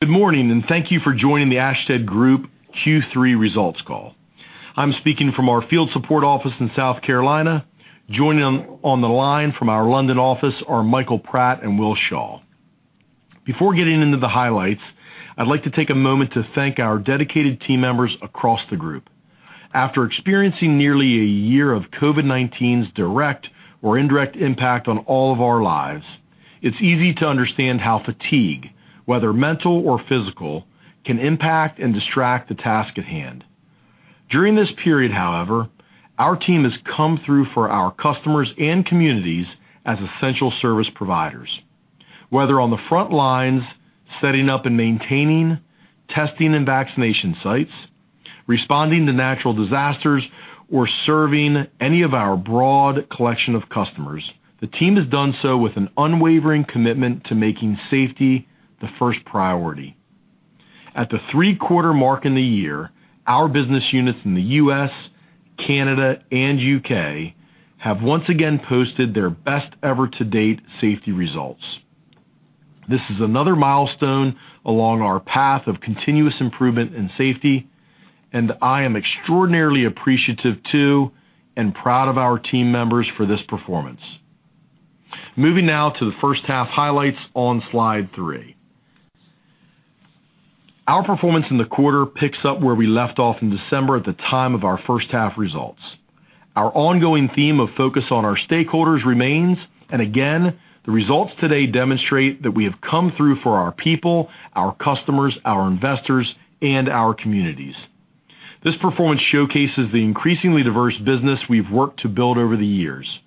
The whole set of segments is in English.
Good morning. Thank you for joining the Ashtead Group Q3 results call. I'm speaking from our field support office in South Carolina. Joining on the line from our London office are Michael Pratt and Will Shaw. Before getting into the highlights, I'd like to take a moment to thank our dedicated team members across the group. After experiencing nearly a year of COVID-19's direct or indirect impact on all of our lives, it's easy to understand how fatigue, whether mental or physical, can impact and distract the task at hand. During this period, however, our team has come through for our customers and communities as essential service providers. Whether on the front lines, setting up and maintaining testing and vaccination sites, responding to natural disasters, or serving any of our broad collection of customers, the team has done so with an unwavering commitment to making safety the first priority. At the three-quarter mark in the year, our business units in the U.S., Canada, and U.K. have once again posted their best-ever to-date safety results. This is another milestone along our path of continuous improvement in safety, and I am extraordinarily appreciative too and proud of our team members for this performance. Moving now to the first half highlights on slide three. Our performance in the quarter picks up where we left off in December at the time of our first-half results. Our ongoing theme of focus on our stakeholders remains, and again, the results today demonstrate that we have come through for our people, our customers, our investors, and our communities. This performance showcases the increasingly diverse business we've worked to build over the years,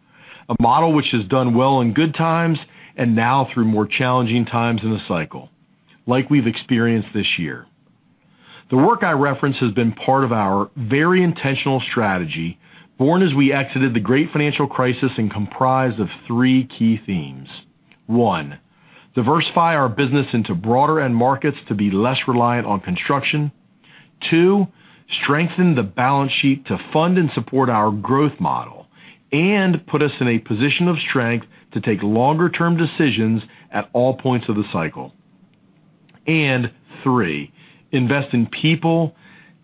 a model which has done well in good times and now through more challenging times in the cycle like we've experienced this year. The work I reference has been part of our very intentional strategy, born as we exited the great financial crisis and comprised of three key themes. One, diversify our business into broader end markets to be less reliant on construction. Two, strengthen the balance sheet to fund and support our growth model and put us in a position of strength to take longer-term decisions at all points of the cycle. Three, invest in people,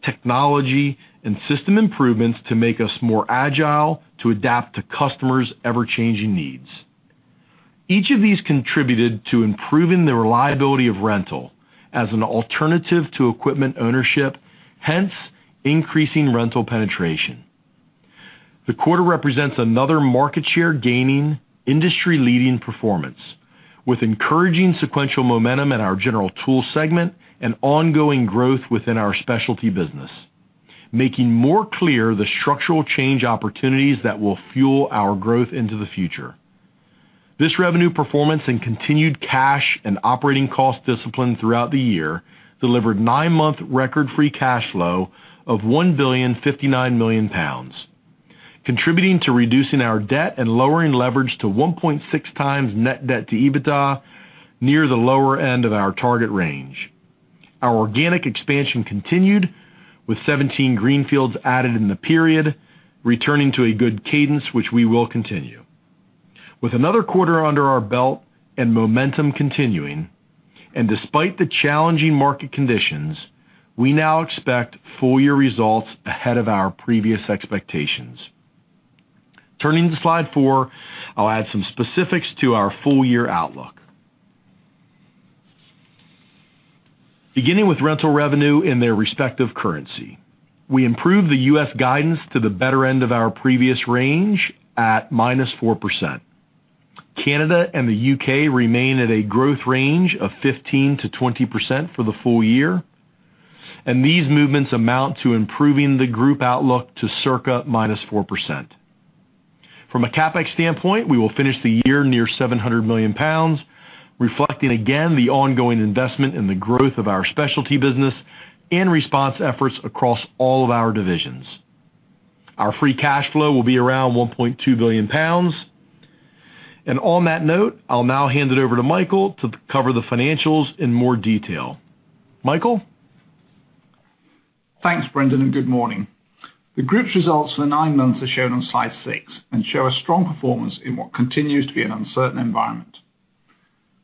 technology, and system improvements to make us more agile to adapt to customers' ever-changing needs. Each of these contributed to improving the reliability of rental as an alternative to equipment ownership, hence increasing rental penetration. The quarter represents another market share gaining industry-leading performance with encouraging sequential momentum in our general tool segment and ongoing growth within our specialty business, making more clear the structural change opportunities that will fuel our growth into the future. This revenue performance and continued cash and operating cost discipline throughout the year delivered nine-month record free cash flow of 1.059 billion pounds, contributing to reducing our debt and lowering leverage to 1.6x net debt to EBITDA, near the lower end of our target range. Our organic expansion continued with 17 greenfields added in the period, returning to a good cadence, which we will continue. With another quarter under our belt and momentum continuing, and despite the challenging market conditions, we now expect full-year results ahead of our previous expectations. Turning to slide four, I'll add some specifics to our full-year outlook. Beginning with rental revenue in their respective currency, we improved the U.S. guidance to the better end of our previous range at -4%. Canada and the U.K. remain at a growth range of 15%-20% for the full year. These movements amount to improving the group outlook to circa -4%. From a CapEx standpoint, we will finish the year near 700 million pounds, reflecting again the ongoing investment in the growth of our specialty business and response efforts across all of our divisions. Our free cash flow will be around 1.2 billion pounds. On that note, I'll now hand it over to Michael to cover the financials in more detail. Michael? Thanks, Brendan, and good morning. The group's results for the nine months are shown on slide six and show a strong performance in what continues to be an uncertain environment.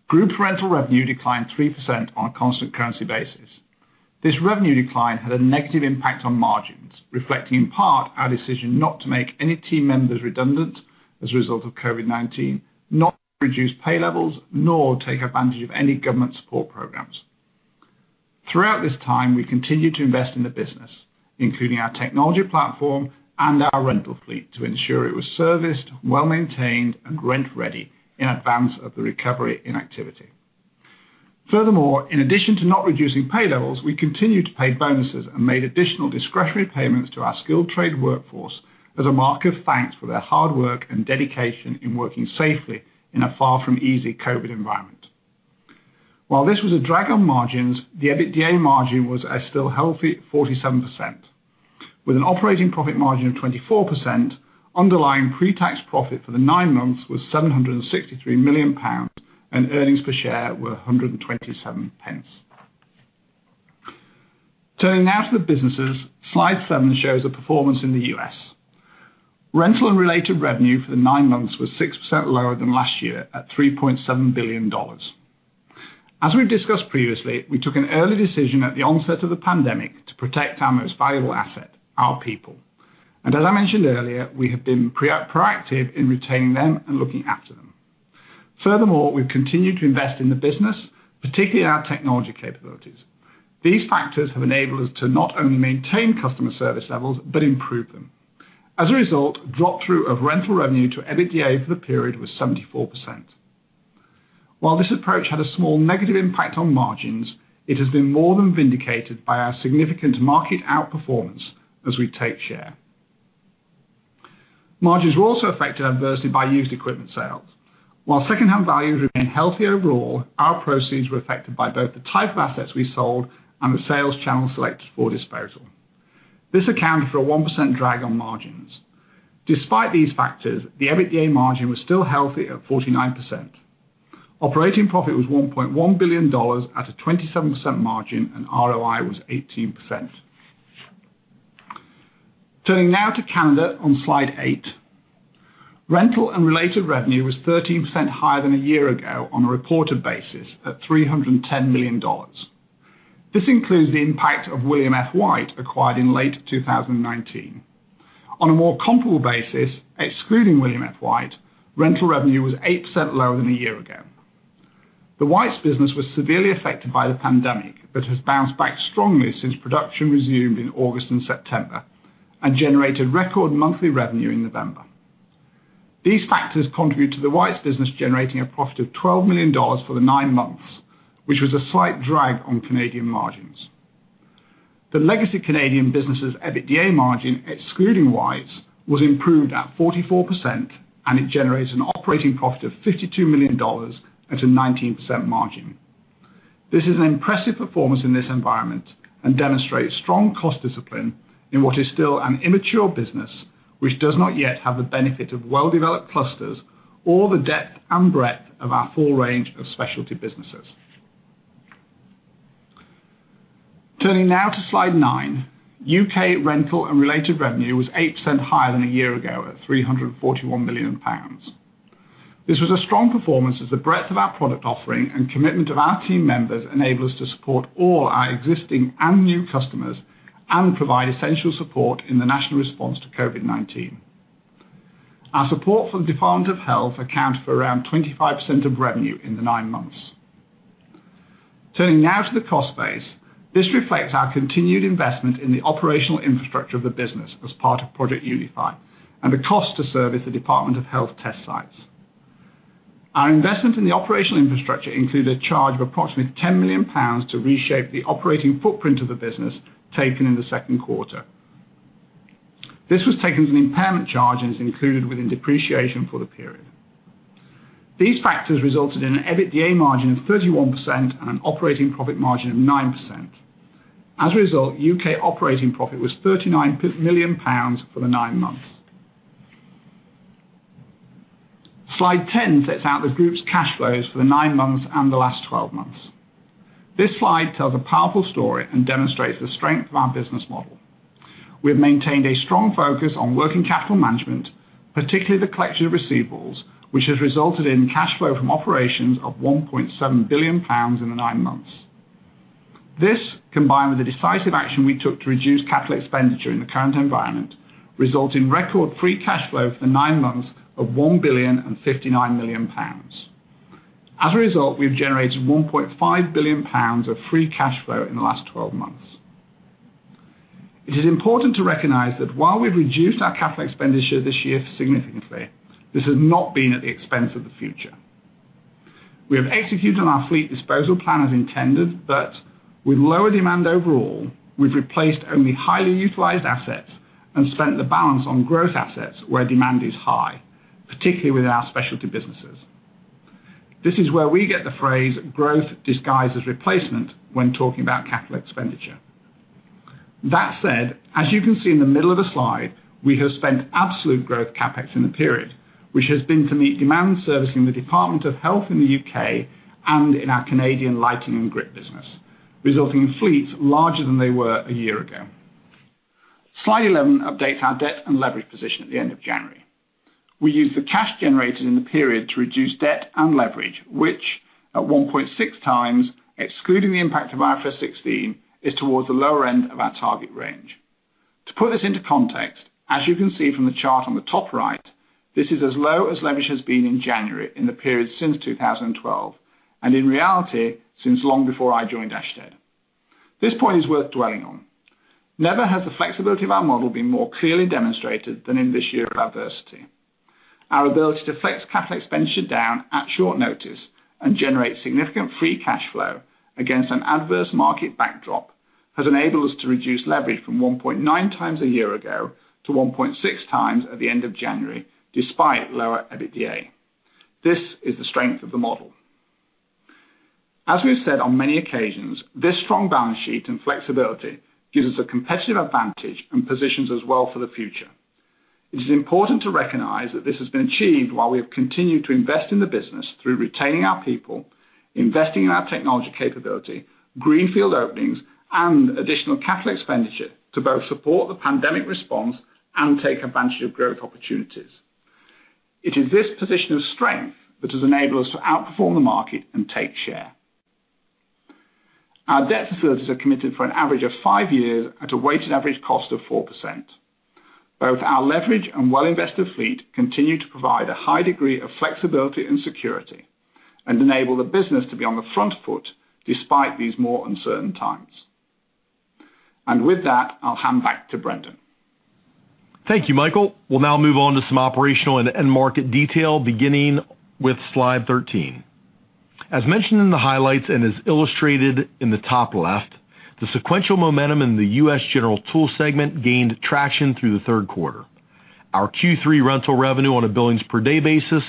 Group rental revenue declined 3% on a constant currency basis. This revenue decline had a negative impact on margins, reflecting in part our decision not to make any team members redundant as a result of COVID-19, not reduce pay levels, nor take advantage of any government support programs. Throughout this time, we continued to invest in the business, including our technology platform and our rental fleet, to ensure it was serviced, well-maintained, and rent-ready in advance of the recovery in activity. In addition to not reducing pay levels, we continued to pay bonuses and made additional discretionary payments to our skilled trade workforce as a mark of thanks for their hard work and dedication in working safely in a far from easy COVID environment. While this was a drag on margins, the EBITDA margin was a still healthy 47%. With an operating profit margin of 24%, underlying pre-tax profit for the nine months was 763 million pounds, and earnings per share were 1.27. Turning now to the businesses, slide seven shows the performance in the U.S. Rental and related revenue for the nine months was 6% lower than last year at $3.7 billion. As we've discussed previously, we took an early decision at the onset of the pandemic to protect our most valuable asset, our people. As I mentioned earlier, we have been proactive in retaining them and looking after them. Furthermore, we've continued to invest in the business, particularly our technology capabilities. These factors have enabled us to not only maintain customer service levels but improve them. As a result, drop-through of rental revenue to EBITDA for the period was 74%. While this approach had a small negative impact on margins, it has been more than vindicated by our significant market outperformance as we take share. Margins were also affected adversely by used equipment sales. While secondhand values remain healthy overall, our proceeds were affected by both the type of assets we sold and the sales channel selected for disposal. This accounted for a 1% drag on margins. Despite these factors, the EBITDA margin was still healthy at 49%. Operating profit was $1.1 billion at a 27% margin, and ROI was 18%. Turning now to Canada on slide eight. Rental and related revenue was 13% higher than a year ago on a reported basis at $310 million. This includes the impact of William F. White, acquired in late 2019. On a more comparable basis, excluding William F. White, rental revenue was 8% lower than a year ago. The White's business was severely affected by the pandemic but has bounced back strongly since production resumed in August and September and generated record monthly revenue in November. These factors contribute to the White's business generating a profit of $12 million for the nine months, which was a slight drag on Canadian margins. The legacy Canadian business' EBITDA margin, excluding White's, was improved at 44%, and it generates an operating profit of $52 million at a 19% margin. This is an impressive performance in this environment and demonstrates strong cost discipline in what is still an immature business, which does not yet have the benefit of well-developed clusters or the depth and breadth of our full range of specialty businesses. Turning now to slide nine. U.K. rental and related revenue was 8% higher than a year ago at 341 million pounds. This was a strong performance as the breadth of our product offering and commitment of our team members enable us to support all our existing and new customers and provide essential support in the national response to COVID-19. Our support for the Department of Health accounted for around 25% of revenue in the nine months. Turning now to the cost base. This reflects our continued investment in the operational infrastructure of the business as part of Project Unify and the cost to service the Department of Health test sites. Our investment in the operational infrastructure include a charge of approximately 10 million pounds to reshape the operating footprint of the business taken in the second quarter. This was taken as an impairment charge and is included within depreciation for the period. These factors resulted in an EBITDA margin of 31% and an operating profit margin of 9%. As a result, U.K. operating profit was 39 million pounds for the nine months. Slide 10 sets out the group's cash flows for the nine months and the last 12 months. This slide tells a powerful story and demonstrates the strength of our business model. We have maintained a strong focus on working capital management, particularly the collection of receivables, which has resulted in cash flow from operations of 1.7 billion pounds in the nine months. This, combined with the decisive action we took to reduce capital expenditure in the current environment, result in record free cash flow for the nine months of 1.059 billion. We've generated 1.5 billion pounds of free cash flow in the last 12 months. It is important to recognize that while we've reduced our capital expenditure this year significantly, this has not been at the expense of the future. We have executed our fleet disposal plan as intended, but with lower demand overall, we've replaced only highly utilized assets and spent the balance on growth assets where demand is high, particularly with our specialty businesses. This is where we get the phrase "growth disguised as replacement" when talking about capital expenditure. As you can see in the middle of the slide, we have spent absolute growth CapEx in the period, which has been to meet demand servicing the Department of Health in the U.K. and in our Canadian lighting and grip business, resulting in fleets larger than they were a year ago. Slide 11 updates our debt and leverage position at the end of January. We used the cash generated in the period to reduce debt and leverage, which at 1.6x, excluding the impact of IFRS 16, is towards the lower end of our target range. To put this into context, as you can see from the chart on the top right, this is as low as leverage has been in January in the period since 2012 and in reality, since long before I joined Ashtead. This point is worth dwelling on. Never has the flexibility of our model been more clearly demonstrated than in this year of adversity. Our ability to flex capital expenditure down at short notice and generate significant free cash flow against an adverse market backdrop has enabled us to reduce leverage from 1.9x a year ago to 1.6x at the end of January, despite lower EBITDA. This is the strength of the model. As we have said on many occasions, this strong balance sheet and flexibility gives us a competitive advantage and positions us well for the future. It is important to recognize that this has been achieved while we have continued to invest in the business through retaining our people, investing in our technology capability, greenfield openings, and additional capital expenditure to both support the pandemic response and take advantage of growth opportunities. It is this position of strength that has enabled us to outperform the market and take share. Our debt facilities are committed for an average of five years at a weighted average cost of 4%. Both our leverage and well-invested fleet continue to provide a high degree of flexibility and security and enable the business to be on the front foot despite these more uncertain times. With that, I'll hand back to Brendan. Thank you, Michael. We'll now move on to some operational and end market detail, beginning with slide 13. As mentioned in the highlights and as illustrated in the top left, the sequential momentum in the U.S. general tool segment gained traction through the third quarter. Our Q3 rental revenue on a billings per day basis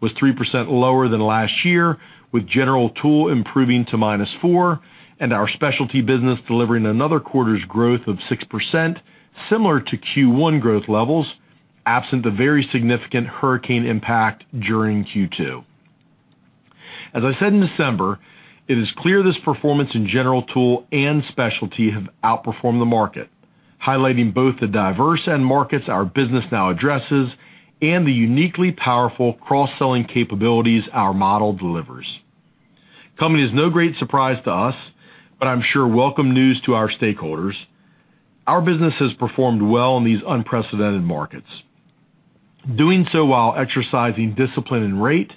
was 3% lower than last year, with general tool improving to minus four, and our specialty business delivering another quarter's growth of 6%, similar to Q1 growth levels, absent the very significant hurricane impact during Q2. As I said in December, it is clear this performance in general tool and specialty have outperformed the market, highlighting both the diverse end markets our business now addresses and the uniquely powerful cross-selling capabilities our model delivers. Coming as no great surprise to us, but I'm sure welcome news to our stakeholders, our business has performed well in these unprecedented markets. Doing so while exercising discipline and rate,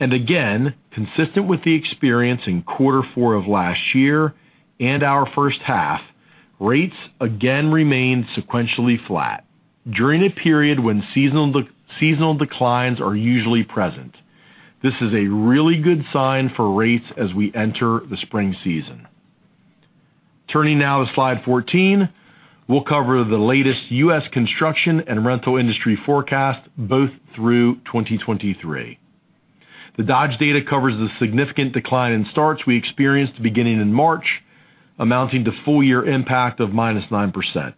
and again, consistent with the experience in quarter four of last year and our first half, rates again remained sequentially flat during a period when seasonal declines are usually present. This is a really good sign for rates as we enter the spring season. Turning now to slide 14, we'll cover the latest U.S. construction and rental industry forecast, both through 2023. The Dodge data covers the significant decline in starts we experienced beginning in March, amounting to full year impact of -9%,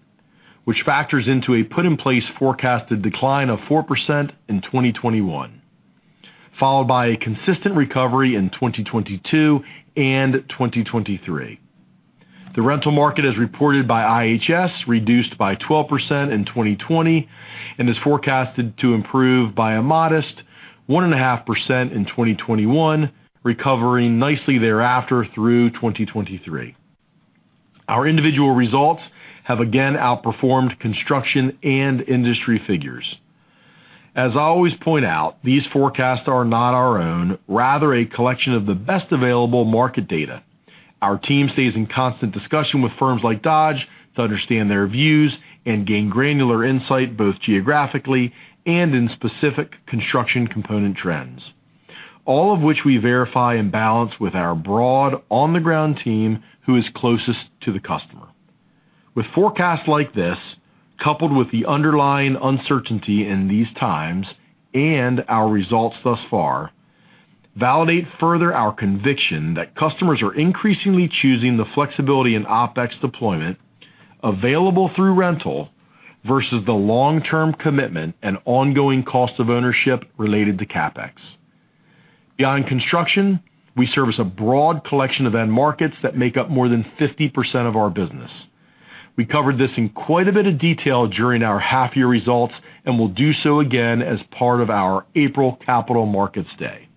which factors into a put in place forecasted decline of 4% in 2021, followed by a consistent recovery in 2022 and 2023. The rental market, as reported by IHS, reduced by 12% in 2020 and is forecasted to improve by a modest 1.5% in 2021, recovering nicely thereafter through 2023. Our individual results have again outperformed construction and industry figures. As I always point out, these forecasts are not our own, rather a collection of the best available market data. Our team stays in constant discussion with firms like Dodge to understand their views and gain granular insight, both geographically and in specific construction component trends. All of which we verify and balance with our broad, on-the-ground team who is closest to the customer. With forecasts like this, coupled with the underlying uncertainty in these times and our results thus far, validate further our conviction that customers are increasingly choosing the flexibility in OpEx deployment available through rental versus the long-term commitment and ongoing cost of ownership related to CapEx. Beyond construction, we service a broad collection of end markets that make up more than 50% of our business. We covered this in quite a bit of detail during our half-year results and will do so again as part of our April Capital Markets Day.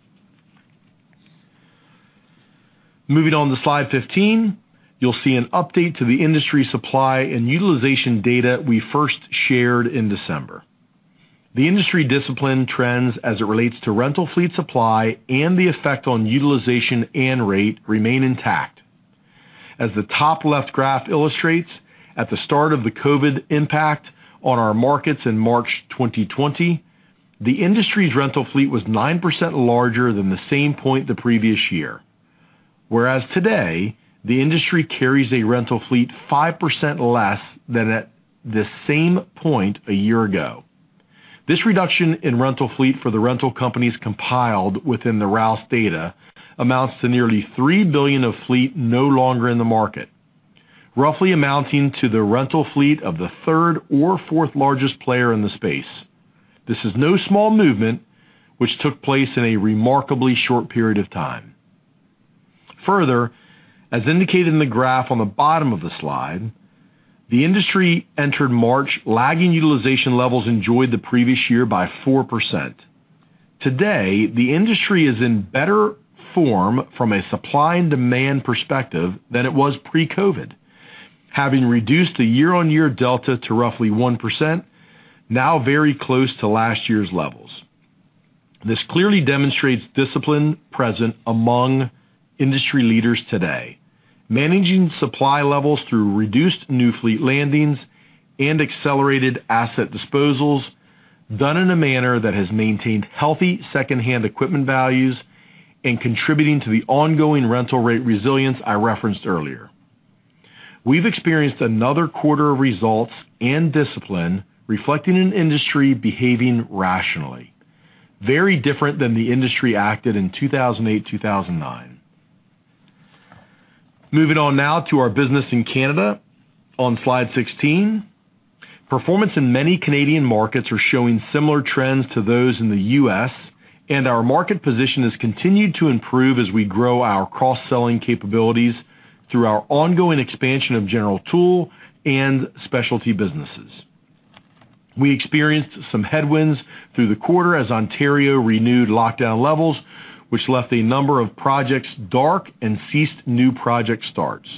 Moving on to slide 15, you'll see an update to the industry supply and utilization data we first shared in December. The industry discipline trends as it relates to rental fleet supply and the effect on utilization and rate remain intact. As the top left graph illustrates, at the start of the COVID impact on our markets in March 2020, the industry's rental fleet was 9% larger than the same point the previous year. Whereas today, the industry carries a rental fleet 5% less than at the same point a year ago. This reduction in rental fleet for the rental companies compiled within the Rouse data amounts to nearly 3 billion of fleet no longer in the market, roughly amounting to the rental fleet of the third or fourth largest player in the space. This is no small movement, which took place in a remarkably short period of time. As indicated in the graph on the bottom of the slide, the industry entered March lagging utilization levels enjoyed the previous year by 4%. Today, the industry is in better form from a supply and demand perspective than it was pre-COVID, having reduced the year-on-year delta to roughly 1%, now very close to last year's levels. This clearly demonstrates discipline present among industry leaders today. Managing supply levels through reduced new fleet landings and accelerated asset disposals, done in a manner that has maintained healthy secondhand equipment values and contributing to the ongoing rental rate resilience I referenced earlier. We've experienced another quarter of results and discipline reflecting an industry behaving rationally. Very different than the industry acted in 2008, 2009. Moving on now to our business in Canada on slide 16. Performance in many Canadian markets are showing similar trends to those in the U.S., and our market position has continued to improve as we grow our cross-selling capabilities through our ongoing expansion of general tool and specialty businesses. We experienced some headwinds through the quarter as Ontario renewed lockdown levels, which left a number of projects dark and ceased new project starts.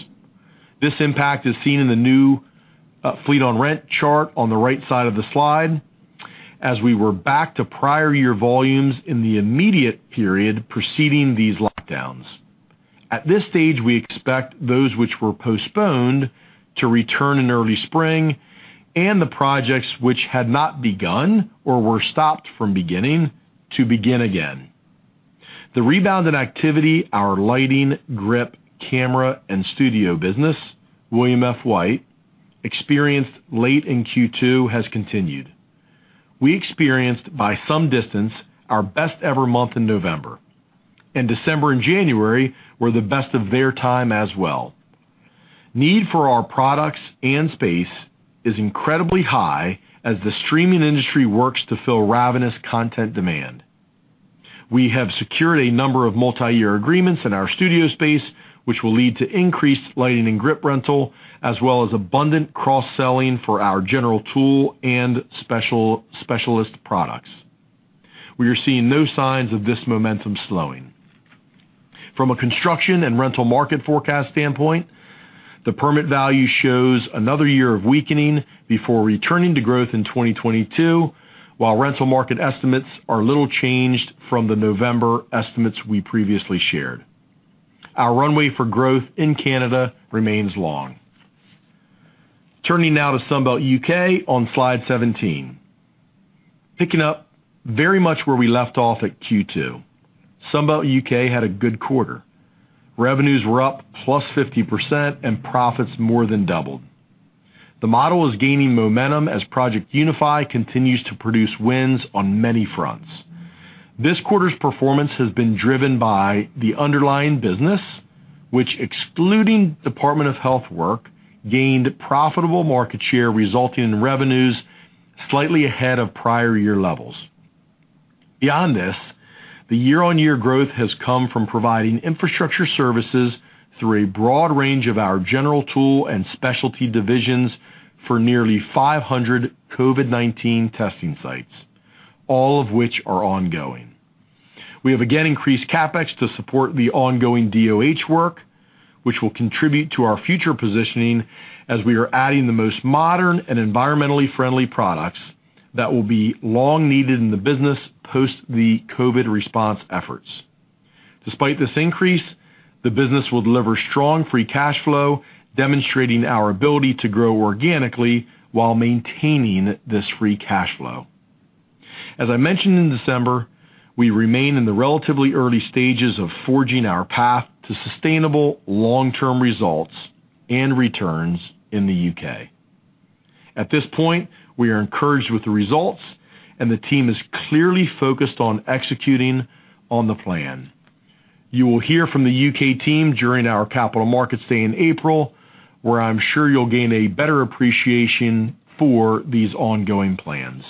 This impact is seen in the new fleet on rent chart on the right side of the slide, as we were back to prior year volumes in the immediate period preceding these lockdowns. At this stage, we expect those which were postponed to return in early spring, and the projects which had not begun or were stopped from beginning to begin again. The rebounded activity, our lighting, grip, camera, and studio business, William F. White, experienced late in Q2 has continued. We experienced by some distance our best ever month in November, and December and January were the best of their time as well. Need for our products and space is incredibly high as the streaming industry works to fill ravenous content demand. We have secured a number of multi-year agreements in our studio space, which will lead to increased lighting and grip rental, as well as abundant cross-selling for our general tool and specialist products. We are seeing no signs of this momentum slowing. From a construction and rental market forecast standpoint, the permit value shows another year of weakening before returning to growth in 2022, while rental market estimates are little changed from the November estimates we previously shared. Our runway for growth in Canada remains long. Turning now to Sunbelt UK on slide 17. Picking up very much where we left off at Q2, Sunbelt UK had a good quarter. Revenues were up plus 50% and profits more than doubled. The model is gaining momentum as Project Unify continues to produce wins on many fronts. This quarter's performance has been driven by the underlying business, which excluding Department of Health work, gained profitable market share, resulting in revenues slightly ahead of prior year levels. Beyond this, the year-on-year growth has come from providing infrastructure services through a broad range of our general tool and specialty divisions for nearly 500 COVID-19 testing sites, all of which are ongoing. We have again increased CapEx to support the ongoing DoH work, which will contribute to our future positioning as we are adding the most modern and environmentally friendly products that will be long needed in the business post the COVID response efforts. Despite this increase, the business will deliver strong free cash flow, demonstrating our ability to grow organically while maintaining this free cash flow. As I mentioned in December, we remain in the relatively early stages of forging our path to sustainable long-term results and returns in the U.K. At this point, we are encouraged with the results and the team is clearly focused on executing on the plan. You will hear from the U.K. team during our Capital Markets Day in April, where I'm sure you'll gain a better appreciation for these ongoing plans.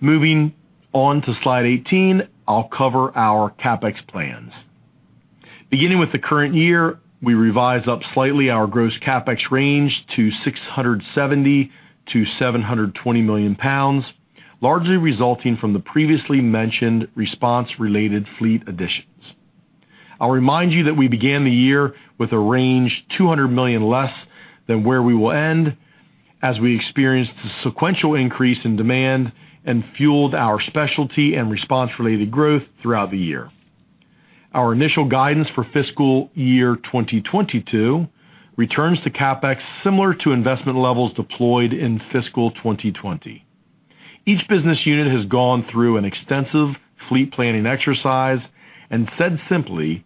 Moving on to slide 18, I'll cover our CapEx plans. Beginning with the current year, we revised up slightly our gross CapEx range to 670 million-720 million pounds, largely resulting from the previously mentioned response related fleet additions. I'll remind you that we began the year with a range 200 million less than where we will end as we experienced a sequential increase in demand and fueled our specialty and response related growth throughout the year. Our initial guidance for fiscal year 2022 returns to CapEx similar to investment levels deployed in fiscal 2020. Each business unit has gone through an extensive fleet planning exercise and said simply,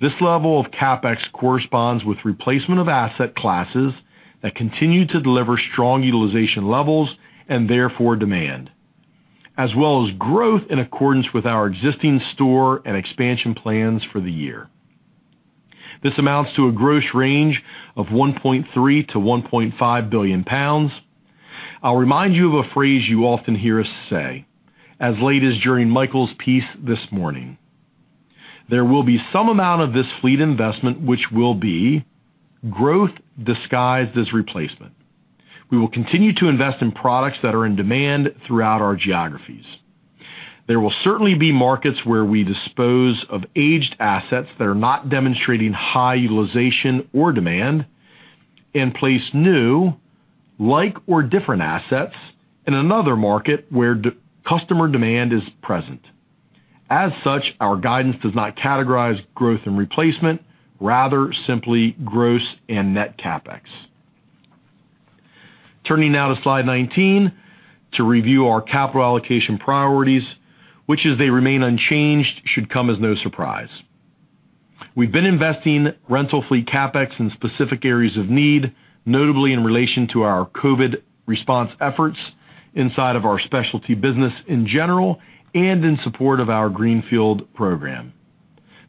this level of CapEx corresponds with replacement of asset classes that continue to deliver strong utilization levels and therefore demand, as well as growth in accordance with our existing store and expansion plans for the year. This amounts to a gross range of 1.3 billion-1.5 billion pounds. I'll remind you of a phrase you often hear us say, as late as during Michael's piece this morning. There will be some amount of this fleet investment which will be growth disguised as replacement. We will continue to invest in products that are in demand throughout our geographies. There will certainly be markets where we dispose of aged assets that are not demonstrating high utilization or demand and place new like or different assets in another market where customer demand is present. As such, our guidance does not categorize growth and replacement, rather simply gross and net CapEx. Turning now to slide 19 to review our capital allocation priorities, which as they remain unchanged, should come as no surprise. We've been investing rental fleet CapEx in specific areas of need, notably in relation to our COVID response efforts inside of our specialty business in general and in support of our Greenfield program.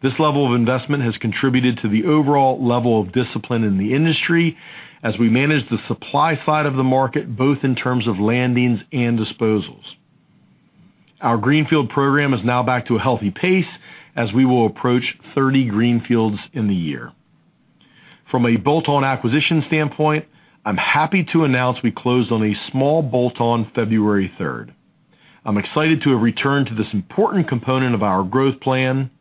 This level of investment has contributed to the overall level of discipline in the industry as we manage the supply side of the market, both in terms of landings and disposals. Our greenfield program is now back to a healthy pace as we will approach 30 greenfields in the year. From a bolt-on acquisition standpoint, I'm happy to announce we closed on a small bolt-on February 3rd. I'm excited to have returned to this important component of our growth plan.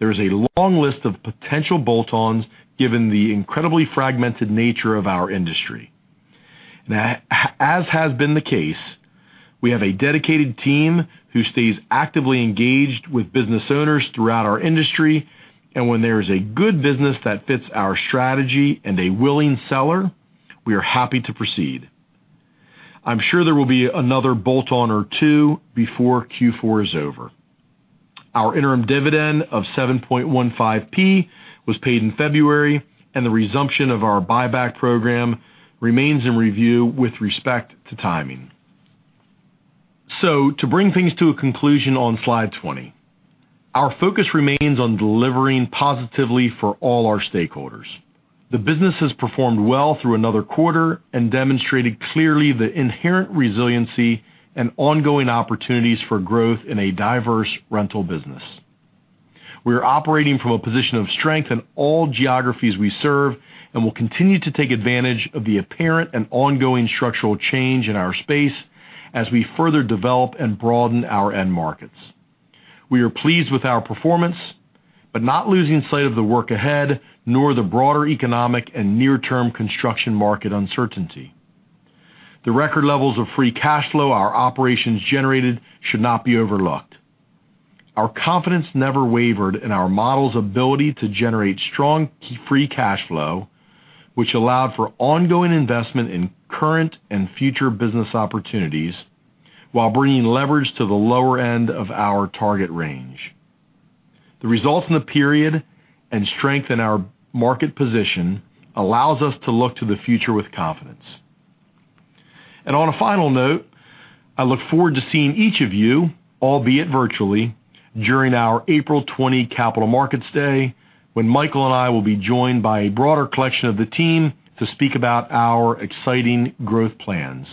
There is a long list of potential bolt-ons given the incredibly fragmented nature of our industry. As has been the case, we have a dedicated team who stays actively engaged with business owners throughout our industry, and when there is a good business that fits our strategy and a willing seller, we are happy to proceed. I'm sure there will be another bolt-on or two before Q4 is over. Our interim dividend of 0.0715 was paid in February, and the resumption of our buyback program remains in review with respect to timing. To bring things to a conclusion on slide 20, our focus remains on delivering positively for all our stakeholders. The business has performed well through another quarter and demonstrated clearly the inherent resiliency and ongoing opportunities for growth in a diverse rental business. We are operating from a position of strength in all geographies we serve and will continue to take advantage of the apparent and ongoing structural change in our space as we further develop and broaden our end markets. We are pleased with our performance, but not losing sight of the work ahead, nor the broader economic and near-term construction market uncertainty. The record levels of free cash flow our operations generated should not be overlooked. Our confidence never wavered in our model's ability to generate strong free cash flow, which allowed for ongoing investment in current and future business opportunities while bringing leverage to the lower end of our target range. The results in the period and strength in our market position allows us to look to the future with confidence. On a final note, I look forward to seeing each of you, albeit virtually, during our April 20 Capital Markets Day, when Michael and I will be joined by a broader collection of the team to speak about our exciting growth plans.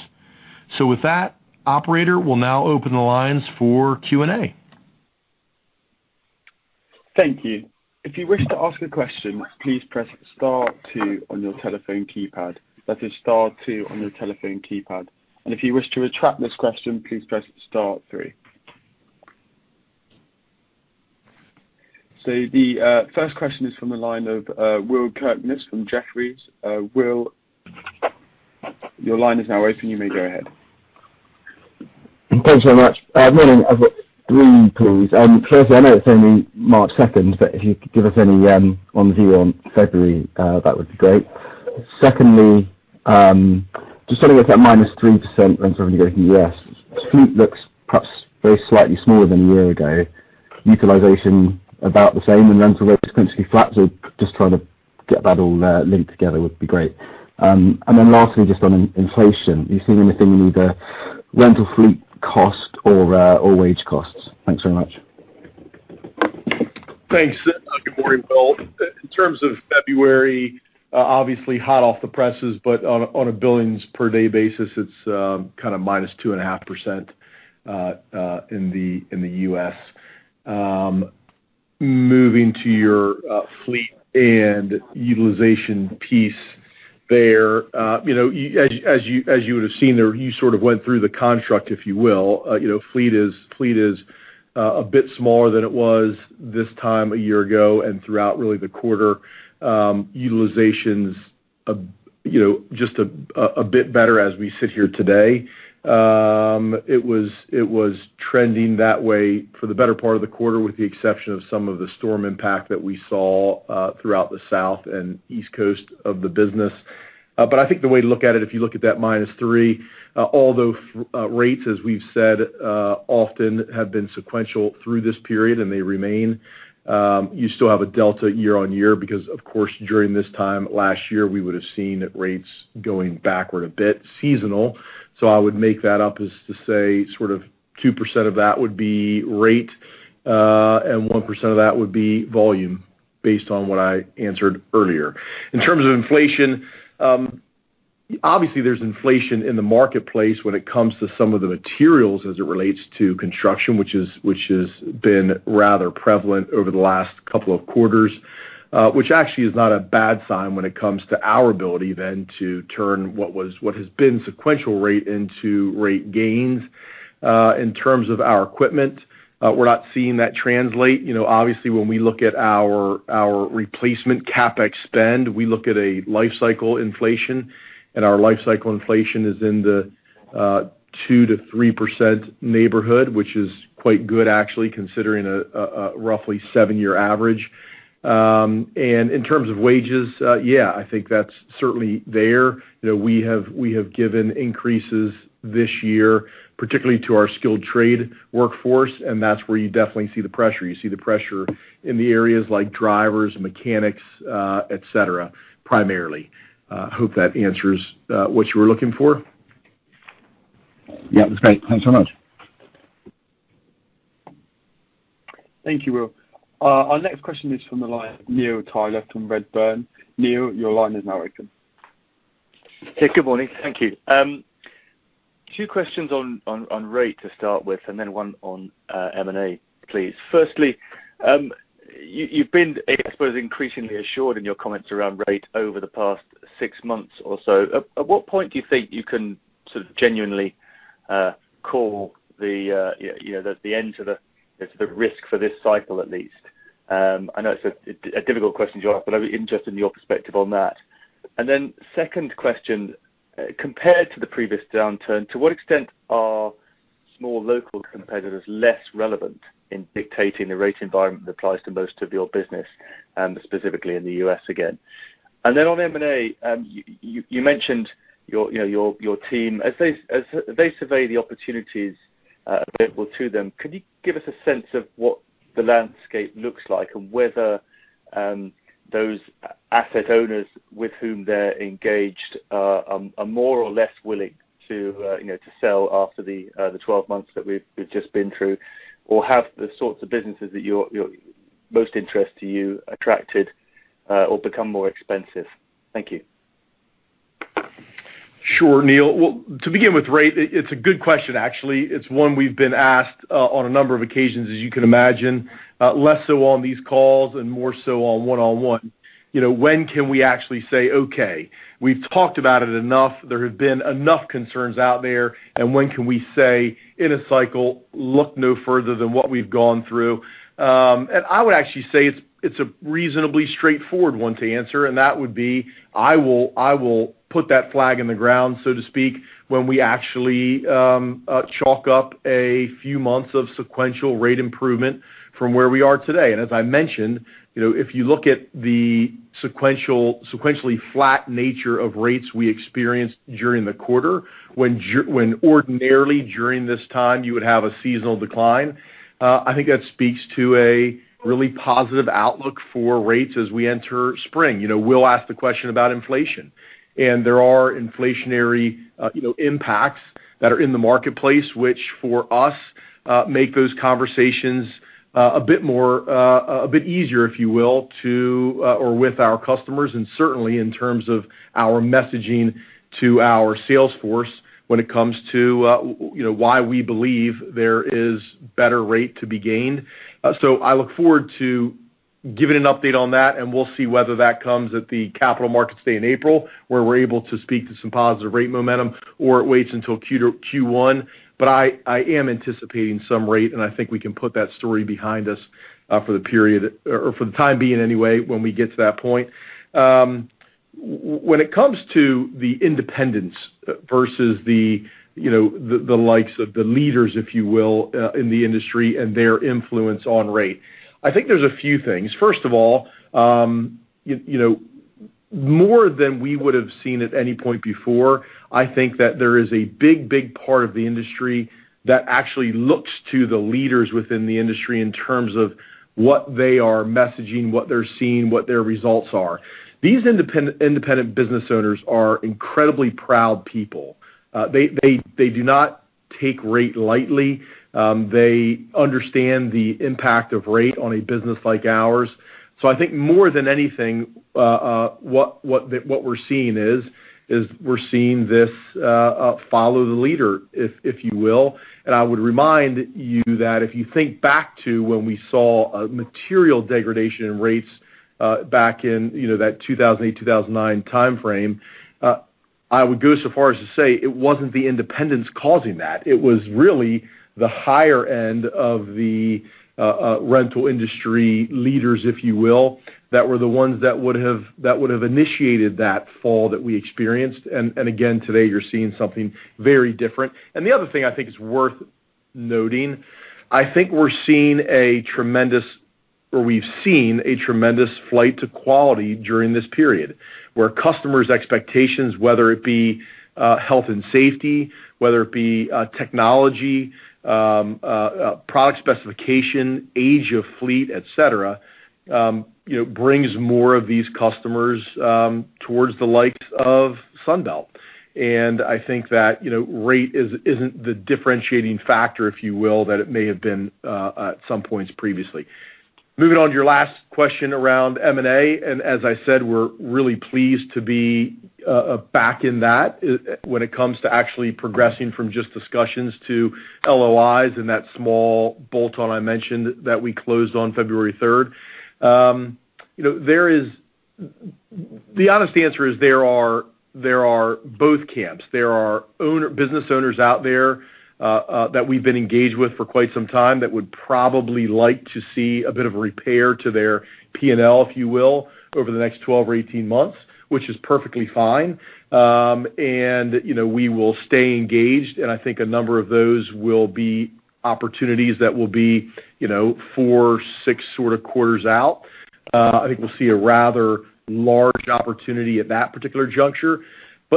With that, operator will now open the lines for Q&A. Thank you. If you wish to ask a question, please press star two on your telephone keypad. That is star two on your telephone keypad. If you wish to retract this question, please press star three. The first question is from the line of Will Kirkness from Jefferies. Will, your line is now open. You may go ahead. Thanks so much. I have three queries. Firstly, I know it's only March 2nd, but if you could give us any on view on February, that would be great. Secondly, just starting with that -3% rental you gave in the U.S. Fleet looks perhaps very slightly smaller than a year ago. Utilization about the same and rental rates potentially flat. Just trying to get that all linked together would be great. Lastly, just on inflation, are you seeing anything in either rental fleet cost or wage costs? Thanks so much. Thanks. Good morning, Will. In terms of February, obviously hot off the presses, but on a billings per day basis, it's kind of -2.5% in the U.S. Moving to your fleet and utilization piece there. As you would have seen there, you sort of went through the construct, if you will. Fleet is a bit smaller than it was this time a year ago and throughout really the quarter. Utilization's just a bit better as we sit here today. It was trending that way for the better part of the quarter, with the exception of some of the storm impact that we saw throughout the South and East Coast of the business. I think the way to look at it, if you look at that -3%, although rates, as we've said, often have been sequential through this period and they remain, you still have a delta year-over-year, because of course, during this time last year, we would have seen rates going backward a bit seasonal. I would make that up as to say sort of 2% of that would be rate, and 1% of that would be volume based on what I answered earlier. In terms of inflation, obviously there's inflation in the marketplace when it comes to some of the materials as it relates to construction, which has been rather prevalent over the last couple of quarters, which actually is not a bad sign when it comes to our ability then to turn what has been sequential rate into rate gains. In terms of our equipment, we're not seeing that translate. Obviously, when we look at our replacement CapEx spend, we look at a lifecycle inflation, and our lifecycle inflation is in the 2%-3% neighborhood, which is quite good actually considering a roughly seven-year average. In terms of wages, yeah, I think that's certainly there. We have given increases this year, particularly to our skilled trade workforce, and that's where you definitely see the pressure. You see the pressure in the areas like drivers, mechanics, etc., primarily. I hope that answers what you were looking for. Yeah, that's great. Thanks so much. Thank you, Will. Our next question is from the line, Neil Tyler from Redburn. Neil, your line is now open. Hey, good morning. Thank you. Two questions on rate to start with, and then one on M&A, please. Firstly, you've been, I suppose, increasingly assured in your comments around rate over the past six months or so. At what point do you think you can genuinely call the end to the risk for this cycle at least? I know it's a difficult question to ask, but I'd be interested in your perspective on that. Second question, compared to the previous downturn, to what extent are small local competitors less relevant in dictating the rate environment that applies to most of your business, and specifically in the U.S. again? On M&A, you mentioned your team. As they survey the opportunities available to them, could you give us a sense of what the landscape looks like and whether those asset owners with whom they're engaged are more or less willing to sell after the 12 months that we've just been through, or have the sorts of businesses that most interest to you attracted or become more expensive? Thank you. Sure, Neil. Well, to begin with rate, it's a good question, actually. It's one we've been asked on a number of occasions, as you can imagine, less so on these calls and more so on one-on-one. When can we actually say, "Okay, we've talked about it enough, there have been enough concerns out there," and when can we say, in a cycle, look no further than what we've gone through? I would actually say it's a reasonably straightforward one to answer, and that would be, I will put that flag in the ground, so to speak, when we actually chalk up a few months of sequential rate improvement from where we are today. As I mentioned, if you look at the sequentially flat nature of rates we experienced during the quarter, when ordinarily during this time you would have a seasonal decline, I think that speaks to a really positive outlook for rates as we enter spring. We'll ask the question about inflation. There are inflationary impacts that are in the marketplace, which for us, make those conversations a bit easier, if you will, with our customers, and certainly in terms of our messaging to our sales force when it comes to why we believe there is better rate to be gained. I look forward to giving an update on that, and we'll see whether that comes at the Capital Markets Day in April, where we're able to speak to some positive rate momentum, or it waits until Q1. I am anticipating some rate, and I think we can put that story behind us for the time being anyway, when we get to that point. When it comes to the independents versus the likes of the leaders, if you will, in the industry and their influence on rate, I think there's a few things. First of all, more than we would have seen at any point before, I think that there is a big, big part of the industry that actually looks to the leaders within the industry in terms of what they are messaging, what they're seeing, what their results are. These independent business owners are incredibly proud people. They do not take rate lightly. They understand the impact of rate on a business like ours. I think more than anything, what we're seeing is, we're seeing this follow the leader, if you will. I would remind you that if you think back to when we saw a material degradation in rates back in that 2008, 2009 timeframe, I would go so far as to say it wasn't the independents causing that. It was really the higher end of the rental industry leaders, if you will, that were the ones that would have initiated that fall that we experienced. Again, today, you're seeing something very different. The other thing I think is worth noting, I think we're seeing a tremendous, or we've seen a tremendous flight to quality during this period, where customers' expectations, whether it be health and safety, whether it be technology, product specification, age of fleet, et cetera, brings more of these customers towards the likes of Sunbelt. I think that rate isn't the differentiating factor, if you will, that it may have been at some points previously. Moving on to your last question around M&A, and as I said, we're really pleased to be back in that when it comes to actually progressing from just discussions to LOIs and that small bolt-on I mentioned that we closed on February 3rd. The honest answer is there are both camps. There are business owners out there that we've been engaged with for quite some time that would probably like to see a bit of repair to their P&L, if you will, over the next 12 or 18 months, which is perfectly fine. We will stay engaged, and I think a number of those will be opportunities that will be four, six sort of quarters out. I think we'll see a rather large opportunity at that particular juncture.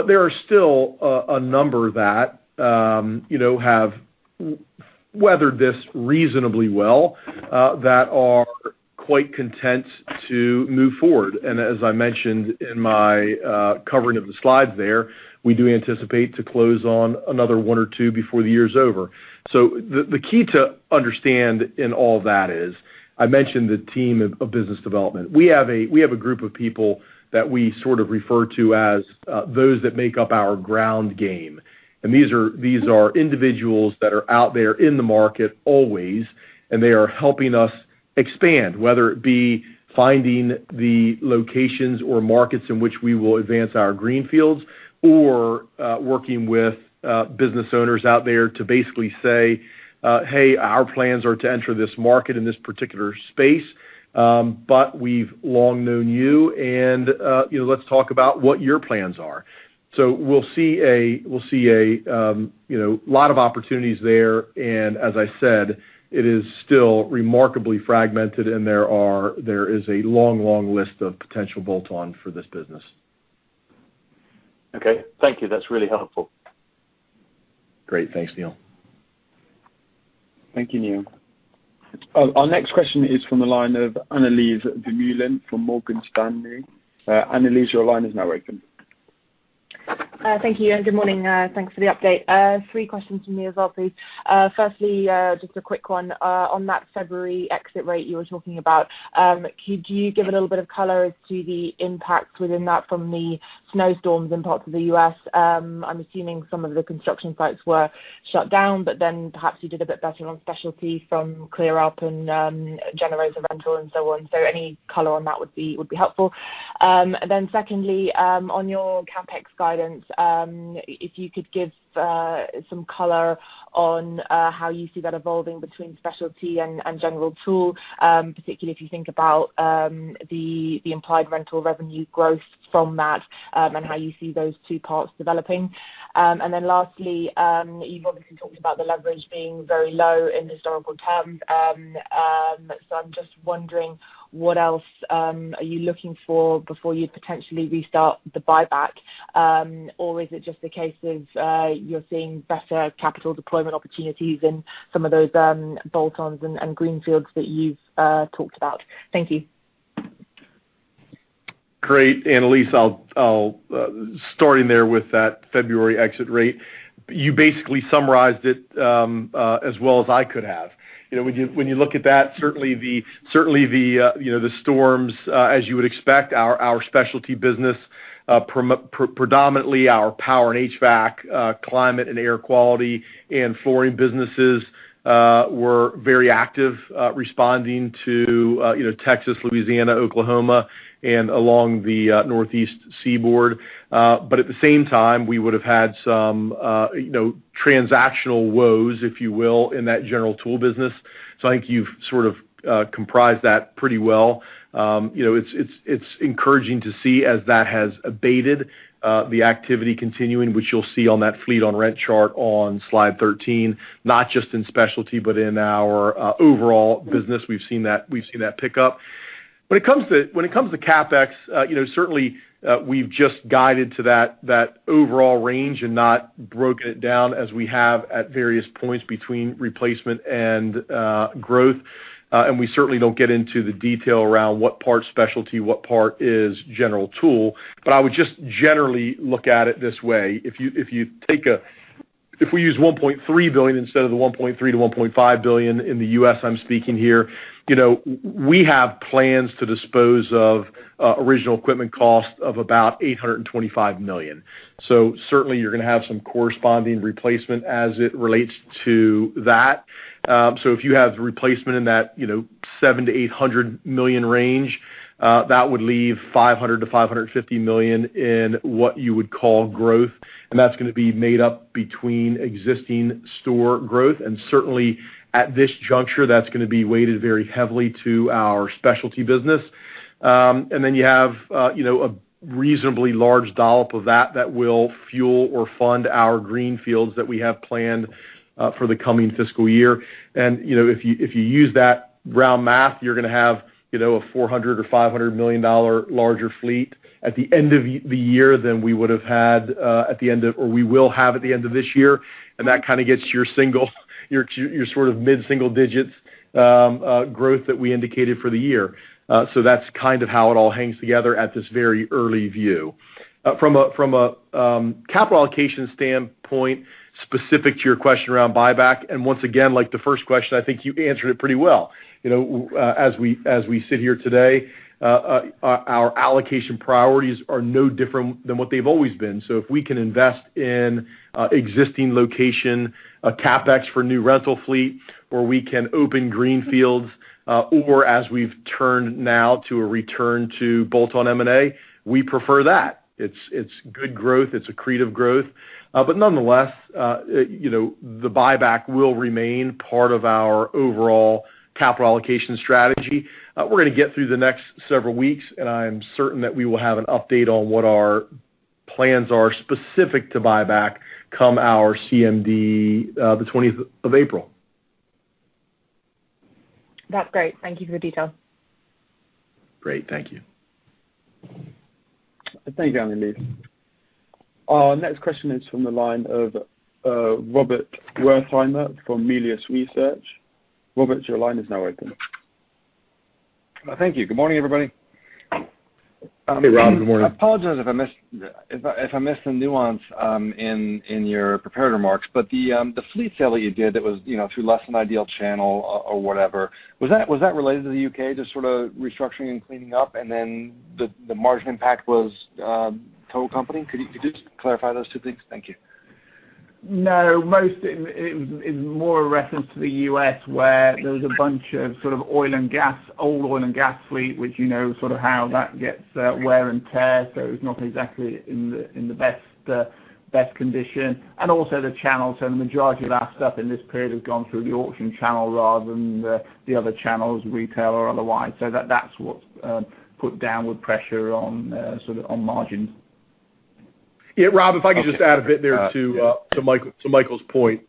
There are still a number that have weathered this reasonably well, that are quite content to move forward. As I mentioned in my covering of the slides there, we do anticipate to close on another one or two before the year is over. The key to understand in all that is, I mentioned the team of business development. We have a group of people that we sort of refer to as those that make up our ground game. These are individuals that are out there in the market always, and they are helping us expand, whether it be finding the locations or markets in which we will advance our greenfields or working with business owners out there to basically say, "Hey, our plans are to enter this market in this particular space, but we've long known you, and let's talk about what your plans are." We'll see a lot of opportunities there, and as I said, it is still remarkably fragmented, and there is a long list of potential bolt-on for this business. Okay. Thank you. That's really helpful. Great. Thanks, Neil. Thank you, Neil. Our next question is from the line of Annelies Vermeulen from Morgan Stanley. Annelies, your line is now open. Thank you. Good morning. Thanks for the update. Three questions from me as well, please. Firstly, just a quick one. On that February exit rate you were talking about, could you give a little bit of color as to the impact within that from the snowstorms in parts of the U.S.? I'm assuming some of the construction sites were shut down, perhaps you did a bit better on specialty from clear up and generator rental and so on. Any color on that would be helpful. Secondly, on your CapEx guidance, if you could give some color on how you see that evolving between specialty and general tool, particularly if you think about the implied rental revenue growth from that and how you see those two parts developing. Lastly, you've obviously talked about the leverage being very low in historical terms. I'm just wondering what else are you looking for before you'd potentially restart the buyback? Or is it just a case of you're seeing better capital deployment opportunities in some of those bolt-ons and greenfields that you've talked about? Thank you. Great, Annelies. I'll start in there with that February exit rate. You basically summarized it as well as I could have. When you look at that, certainly the storms, as you would expect, our specialty business, predominantly our Power and HVAC, climate and air quality, and Flooring businesses were very active responding to Texas, Louisiana, Oklahoma, and along the Northeast seaboard. At the same time, we would have had some transactional woes, if you will, in that general tool business. I think you've sort of comprised that pretty well. It's encouraging to see as that has abated the activity continuing, which you'll see on that fleet on rent chart on slide 13, not just in specialty, but in our overall business, we've seen that pick up. When it comes to CapEx, certainly we've just guided to that overall range and not broken it down as we have at various points between replacement and growth. We certainly don't get into the detail around what part specialty, what part is general tool. I would just generally look at it this way. If we use $1.3 billion instead of the $1.3 billion-$1.5 billion in the U.S., I'm speaking here, we have plans to dispose of original equipment cost of about $825 million. Certainly you're going to have some corresponding replacement as it relates to that. If you have the replacement in that $700 million-$800 million range, that would leave $500 million-$550 million in what you would call growth. That's going to be made up between existing store growth. Certainly at this juncture, that's going to be weighted very heavily to our specialty business. You have a reasonably large dollop of that that will fuel or fund our greenfields that we have planned for the coming fiscal year. If you use that round math, you're going to have a 400 million or GBP 500 million larger fleet at the end of the year than we would have had at the end of, or we will have at the end of this year. That kind of gets your sort of mid-single digits growth that we indicated for the year. That's kind of how it all hangs together at this very early view. From a capital allocation standpoint, specific to your question around buyback, once again, like the first question, I think you answered it pretty well. As we sit here today, our allocation priorities are no different than what they've always been. If we can invest in existing location, a CapEx for new rental fleet, or we can open greenfields, or as we've turned now to a return to bolt-on M&A, we prefer that. It's good growth. It's accretive growth. Nonetheless, the buyback will remain part of our overall capital allocation strategy. We're going to get through the next several weeks, I am certain that we will have an update on what our plans are specific to buyback come our CMD, the 20th of April. That's great. Thank you for the detail. Great. Thank you. Thank you, Annelies. Our next question is from the line of Robert Wertheimer from Melius Research. Robert, your line is now open. Thank you. Good morning, everybody. Hey, Rob. Good morning. I apologize if I missed some nuance in your prepared remarks, but the fleet sale that you did that was through less-than-ideal channel or whatever, was that related to the U.K., just sort of restructuring and cleaning up, and then the margin impact was total company? Could you just clarify those two things? Thank you. No, most is more a reference to the U.S., where there was a bunch of old oil and gas fleet, which you know how that gets wear and tear. It's not exactly in the best condition. Also the channel, so the majority of our stuff in this period has gone through the auction channel rather than the other channels, retail or otherwise. That's what put downward pressure on margins. Yeah, Rob, if I could just add a bit there to Michael's point.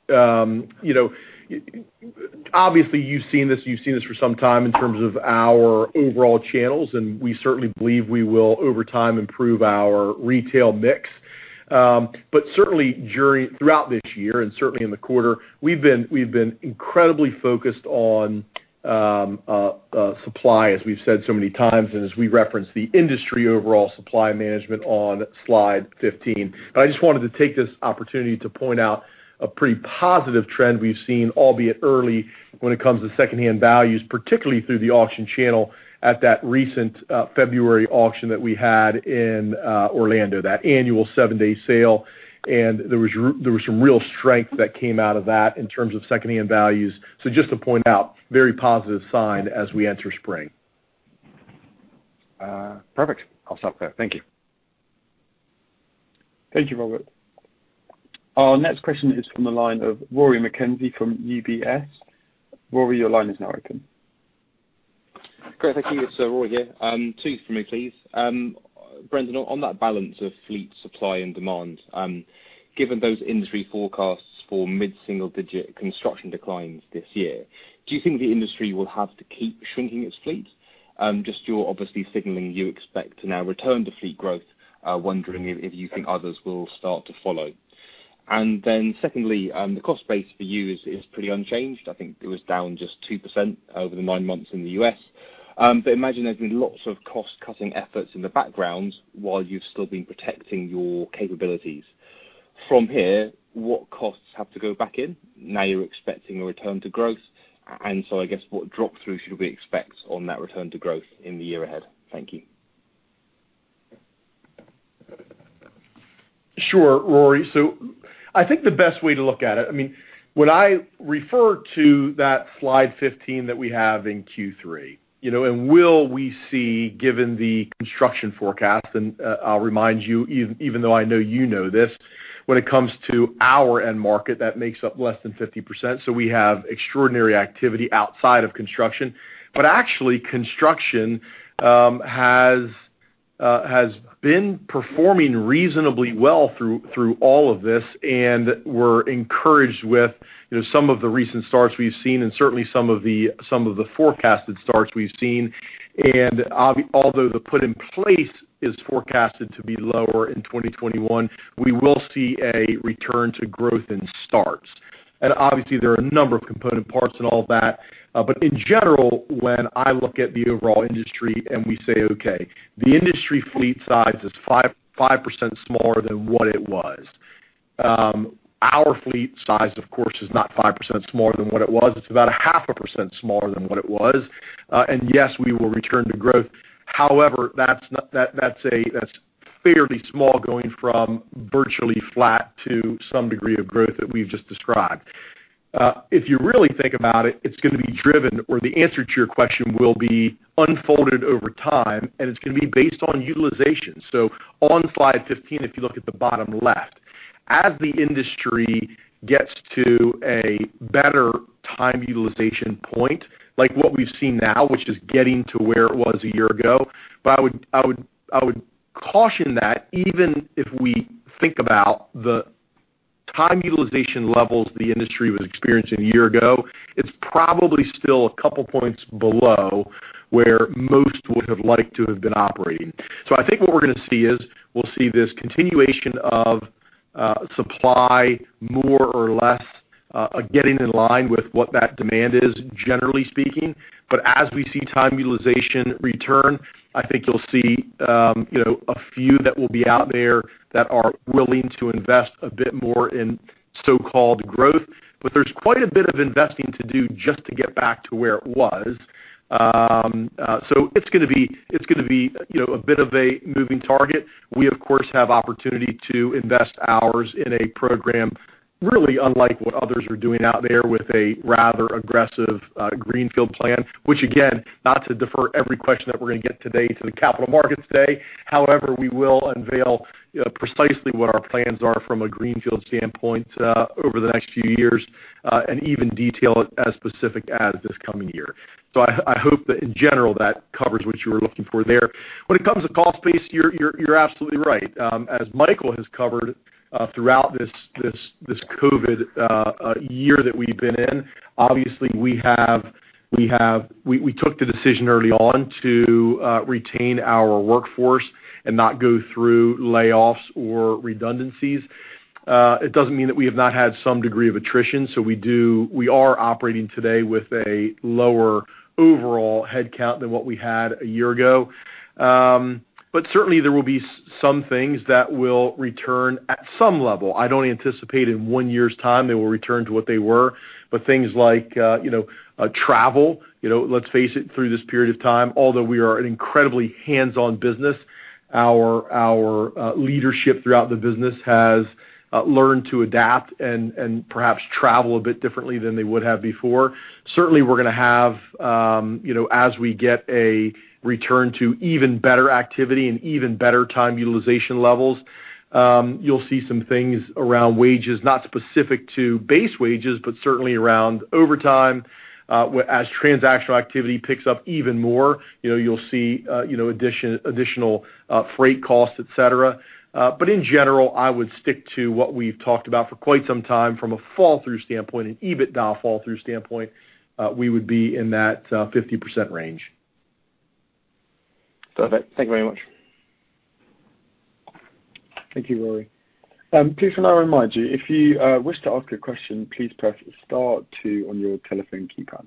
Obviously, you've seen this for some time in terms of our overall channels, and we certainly believe we will, over time, improve our retail mix. Certainly, throughout this year and certainly in the quarter, we've been incredibly focused on supply, as we've said so many times, and as we referenced the industry overall supply management on slide 15. I just wanted to take this opportunity to point out a pretty positive trend we've seen, albeit early, when it comes to secondhand values, particularly through the auction channel at that recent February auction that we had in Orlando, that annual seven-day sale. There was some real strength that came out of that in terms of secondhand values. Just to point out, very positive sign as we enter spring. Perfect. I'll stop there. Thank you. Thank you, Robert. Our next question is from the line of Rory McKenzie from UBS. Rory, your line is now open. Great. Thank you. Rory here. Two from me, please. Brendan, on that balance of fleet supply and demand, given those industry forecasts for mid-single digit construction declines this year, do you think the industry will have to keep shrinking its fleet? Just you're obviously signaling you expect to now return to fleet growth. Wondering if you think others will start to follow. Secondly, the cost base for you is pretty unchanged. I think it was down just 2% over the nine months in the U.S. I imagine there's been lots of cost-cutting efforts in the background while you've still been protecting your capabilities. From here, what costs have to go back in now you're expecting a return to growth? I guess what drop-through should we expect on that return to growth in the year ahead? Thank you. Sure, Rory. I think the best way to look at it, when I refer to that slide 15 that we have in Q3. Will we see, given the construction forecast, and I'll remind you, even though I know you know this, when it comes to our end market, that makes up less than 50%. We have extraordinary activity outside of construction. Actually, construction has been performing reasonably well through all of this, and we're encouraged with some of the recent starts we've seen and certainly some of the forecasted starts we've seen. Although the put in place is forecasted to be lower in 2021, we will see a return to growth in starts. Obviously, there are a number of component parts in all that. In general, when I look at the overall industry and we say, okay, the industry fleet size is 5% smaller than what it was. Our fleet size, of course, is not 5% smaller than what it was. It's about a half a percent smaller than what it was. Yes, we will return to growth. However, that's fairly small going from virtually flat to some degree of growth that we've just described. If you really think about it's going to be driven, or the answer to your question will be unfolded over time, and it's going to be based on utilization. On slide 15, if you look at the bottom left. As the industry gets to a better time utilization point, like what we've seen now, which is getting to where it was a year ago. I would caution that even if we think about the time utilization levels the industry was experiencing a year ago, it's probably still a couple of points below where most would have liked to have been operating. I think what we're going to see is, we'll see this continuation of supply, more or less, getting in line with what that demand is, generally speaking. As we see time utilization return, I think you'll see a few that will be out there that are willing to invest a bit more in so-called growth. There's quite a bit of investing to do just to get back to where it was. It's going to be a bit of a moving target. We, of course, have opportunity to invest ours in a program really unlike what others are doing out there with a rather aggressive greenfield plan. Again, not to defer every question that we're going to get today to the Capital Markets Day. We will unveil precisely what our plans are from a greenfield standpoint over the next few years, and even detail it as specific as this coming year. I hope that in general, that covers what you were looking for there. It comes to cost base, you're absolutely right. As Michael has covered throughout this COVID year that we've been in, obviously we took the decision early on to retain our workforce and not go through layoffs or redundancies. It doesn't mean that we have not had some degree of attrition. We are operating today with a lower overall headcount than what we had a year ago. Certainly there will be some things that will return at some level. I don't anticipate in one year's time they will return to what they were. Things like travel, let's face it, through this period of time, although we are an incredibly hands-on business, our leadership throughout the business has learned to adapt and perhaps travel a bit differently than they would have before. Certainly, we're going to have, as we get a return to even better activity and even better time utilization levels, you'll see some things around wages, not specific to base wages, but certainly around overtime. As transactional activity picks up even more, you'll see additional freight costs, et cetera. In general, I would stick to what we've talked about for quite some time from a fall-through standpoint, an EBITDA fall-through standpoint, we would be in that 50% range. Perfect. Thank you very much. Thank you, Rory. Please can I remind you, if you wish to ask a question, please press star two on your telephone keypad.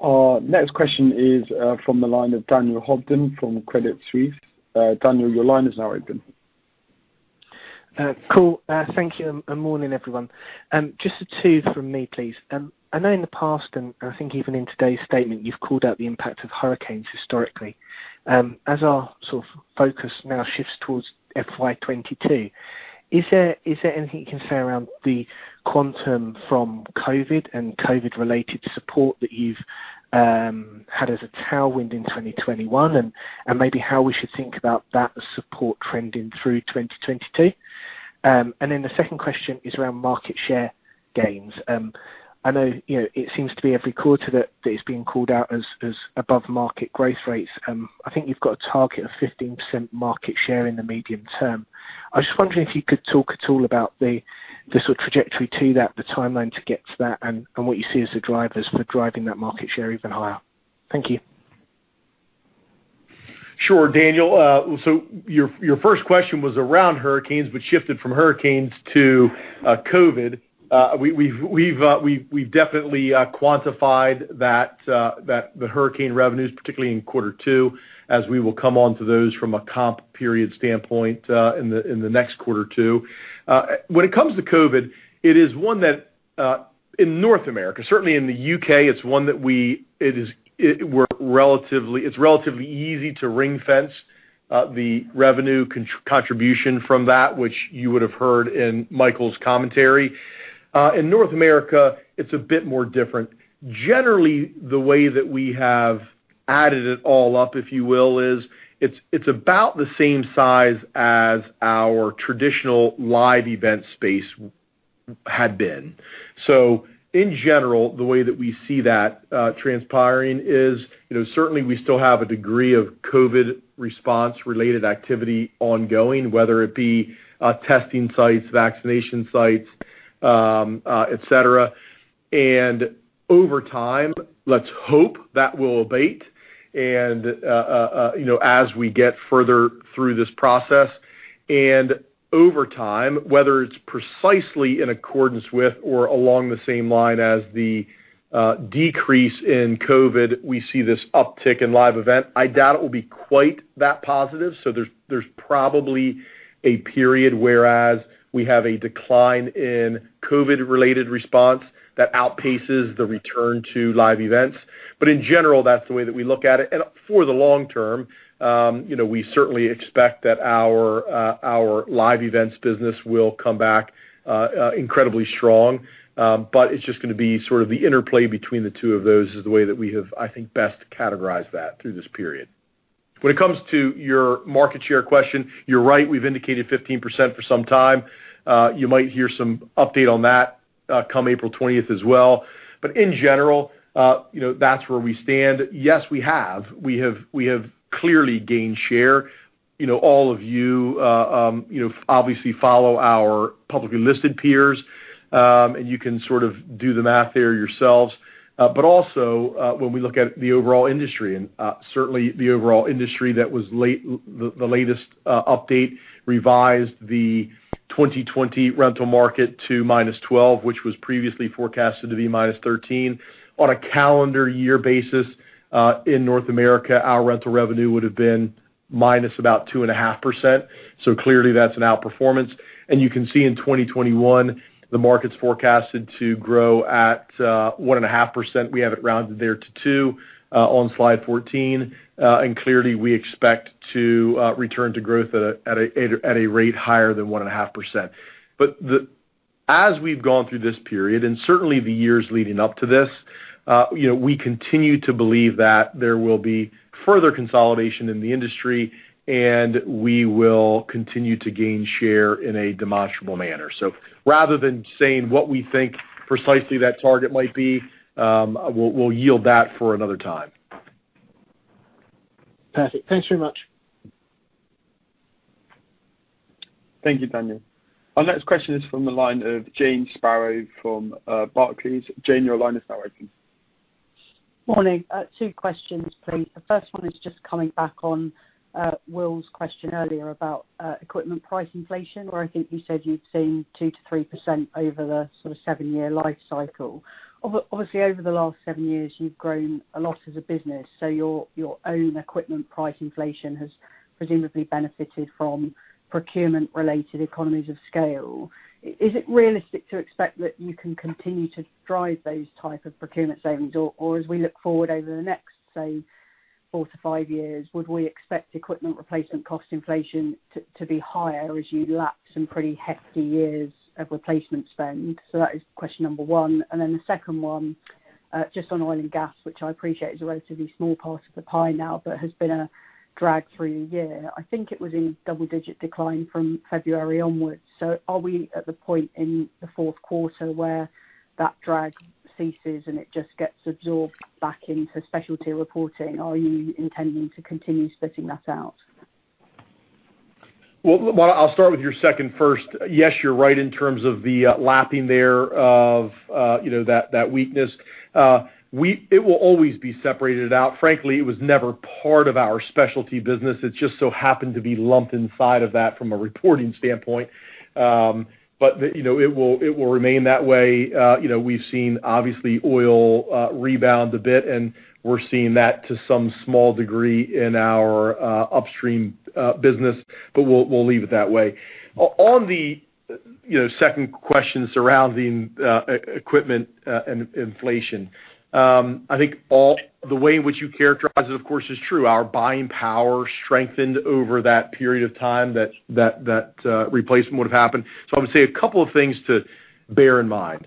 Our next question is from the line of Daniel Hobden from Credit Suisse. Daniel, your line is now open. Cool. Thank you. Morning, everyone. Just two from me, please. I know in the past, and I think even in today's statement, you've called out the impact of hurricanes historically. As our sort of focus now shifts towards FY 2022, is there anything you can say around the quantum from COVID and COVID-related support that you've had as a tailwind in 2021, and maybe how we should think about that support trending through 2022? The second question is around market share gains. I know it seems to be every quarter that it's being called out as above-market growth rates. I think you've got a target of 15% market share in the medium term. I was just wondering if you could talk at all about the sort of trajectory to that, the timeline to get to that, and what you see as the drivers for driving that market share even higher. Thank you. Sure, Daniel. Your first question was around hurricanes, but shifted from hurricanes to COVID. We've definitely quantified the hurricane revenues, particularly in quarter two, as we will come on to those from a comp period standpoint in the next quarter, too. When it comes to COVID, it is one that in North America, certainly in the U.K., it's relatively easy to ring-fence the revenue contribution from that, which you would have heard in Michael's commentary. In North America, it's a bit more different. Generally, the way that we have added it all up, if you will, is it's about the same size as our traditional live event space had been. In general, the way that we see that transpiring is certainly we still have a degree of COVID response-related activity ongoing, whether it be testing sites, vaccination sites, et cetera. Over time, let's hope that will abate and as we get further through this process. Over time, whether it's precisely in accordance with or along the same line as the decrease in COVID, we see this uptick in live event. I doubt it will be quite that positive. There's probably a period whereas we have a decline in COVID-related response that outpaces the return to live events. In general, that's the way that we look at it. For the long term we certainly expect that our live events business will come back incredibly strong. It's just going to be sort of the interplay between the two of those is the way that we have, I think, best categorized that through this period. When it comes to your market share question, you're right, we've indicated 15% for some time. You might hear some update on that come April 20th as well. In general that's where we stand. Yes, we have. We have clearly gained share. All of you obviously follow our publicly listed peers, and you can sort of do the math there yourselves. Also, when we look at the overall industry, and certainly the overall industry that was the latest update revised the 2020 rental market to -12%, which was previously forecasted to be -13%. On a calendar year basis in North America, our rental revenue would have been minus about 2.5%. Clearly that's an outperformance. You can see in 2021, the market's forecasted to grow at 1.5%. We have it rounded there to 2% on slide 14. Clearly we expect to return to growth at a rate higher than 1.5%. As we've gone through this period, and certainly the years leading up to this, we continue to believe that there will be further consolidation in the industry, and we will continue to gain share in a demonstrable manner. Rather than saying what we think precisely that target might be, we'll yield that for another time. Perfect. Thanks very much. Thank you, Daniel. Our next question is from the line of Jane Sparrow from Barclays. Jane, your line is now open. Morning. Two questions, please. The first one is just coming back on Will's question earlier about equipment price inflation, where I think you said you'd seen 2%-3% over the seven-year life cycle. Obviously, over the last seven years, you've grown a lot as a business. Your own equipment price inflation has presumably benefited from procurement-related economies of scale. Is it realistic to expect that you can continue to drive those type of procurement savings? Or as we look forward over the next, say, four to five years, would we expect equipment replacement cost inflation to be higher as you lap some pretty hefty years of replacement spend? That is question number one. The second one, just on oil and gas, which I appreciate is a relatively small part of the pie now, but has been a drag through the year. I think it was in double-digit decline from February onwards. Are we at the point in the fourth quarter where that drag ceases, and it just gets absorbed back into Specialty reporting, or are you intending to continue splitting that out? Well, I'll start with your second first. Yes, you're right in terms of the lapping there of that weakness. It will always be separated out. Frankly, it was never part of our Specialty business. It just so happened to be lumped inside of that from a reporting standpoint. It will remain that way. We've seen, obviously, oil rebound a bit, and we're seeing that to some small degree in our upstream business, but we'll leave it that way. On the second question surrounding equipment and inflation. I think the way in which you characterize it, of course, is true. Our buying power strengthened over that period of time that replacement would have happened. I would say a couple of things to bear in mind.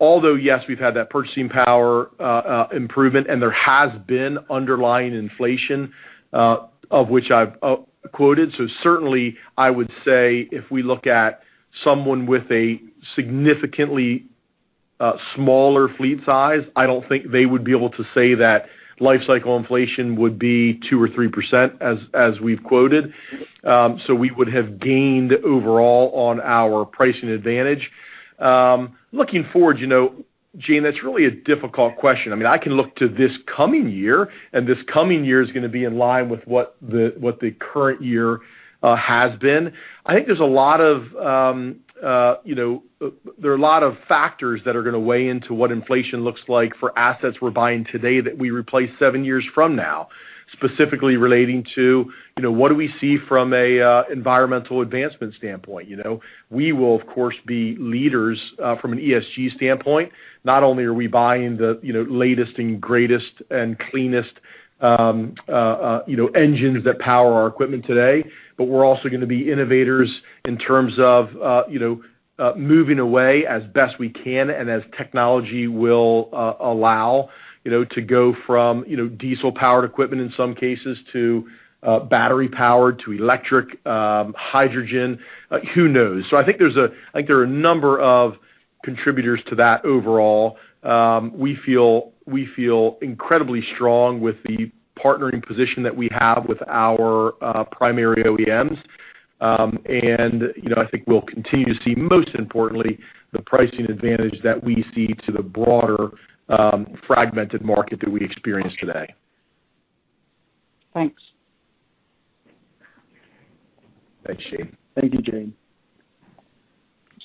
Although, yes, we've had that purchasing power improvement, and there has been underlying inflation, of which I've quoted. Certainly, I would say if we look at someone with a significantly smaller fleet size, I don't think they would be able to say that life cycle inflation would be 2% or 3%, as we've quoted. We would have gained overall on our pricing advantage. Looking forward, Jane, that's really a difficult question. I can look to this coming year, and this coming year is going to be in line with what the current year has been. There are a lot of factors that are going to weigh into what inflation looks like for assets we're buying today that we replace seven years from now, specifically relating to what do we see from an environmental advancement standpoint. We will, of course, be leaders from an ESG standpoint. Not only are we buying the latest and greatest and cleanest engines that power our equipment today, but we're also going to be innovators in terms of moving away as best we can and as technology will allow, to go from diesel-powered equipment in some cases, to battery-powered, to electric, hydrogen, who knows? I think there are a number of contributors to that overall. We feel incredibly strong with the partnering position that we have with our primary OEMs. I think we'll continue to see, most importantly, the pricing advantage that we see to the broader fragmented market that we experience today. Thanks. Thanks, Jane. Thank you, Jane.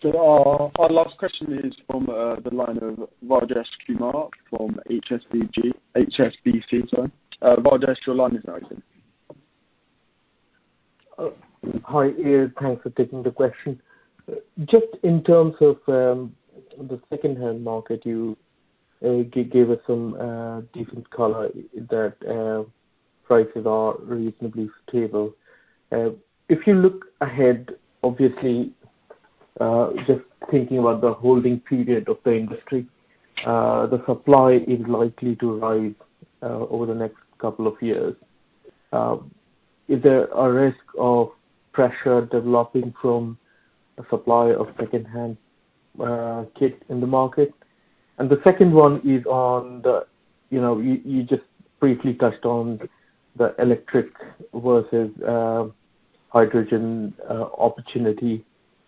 Our last question is from the line of Rajesh Kumar from HSBC. Rajesh, your line is now open. Hi. Thanks for taking the question. Just in terms of the secondhand market, you gave us some different color that prices are reasonably stable. If you look ahead, obviously, just thinking about the holding period of the industry the supply is likely to rise over the next couple of years. Is there a risk of pressure developing from the supply of secondhand kit in the market? The second one is, you just briefly touched on the electric versus hydrogen opportunity.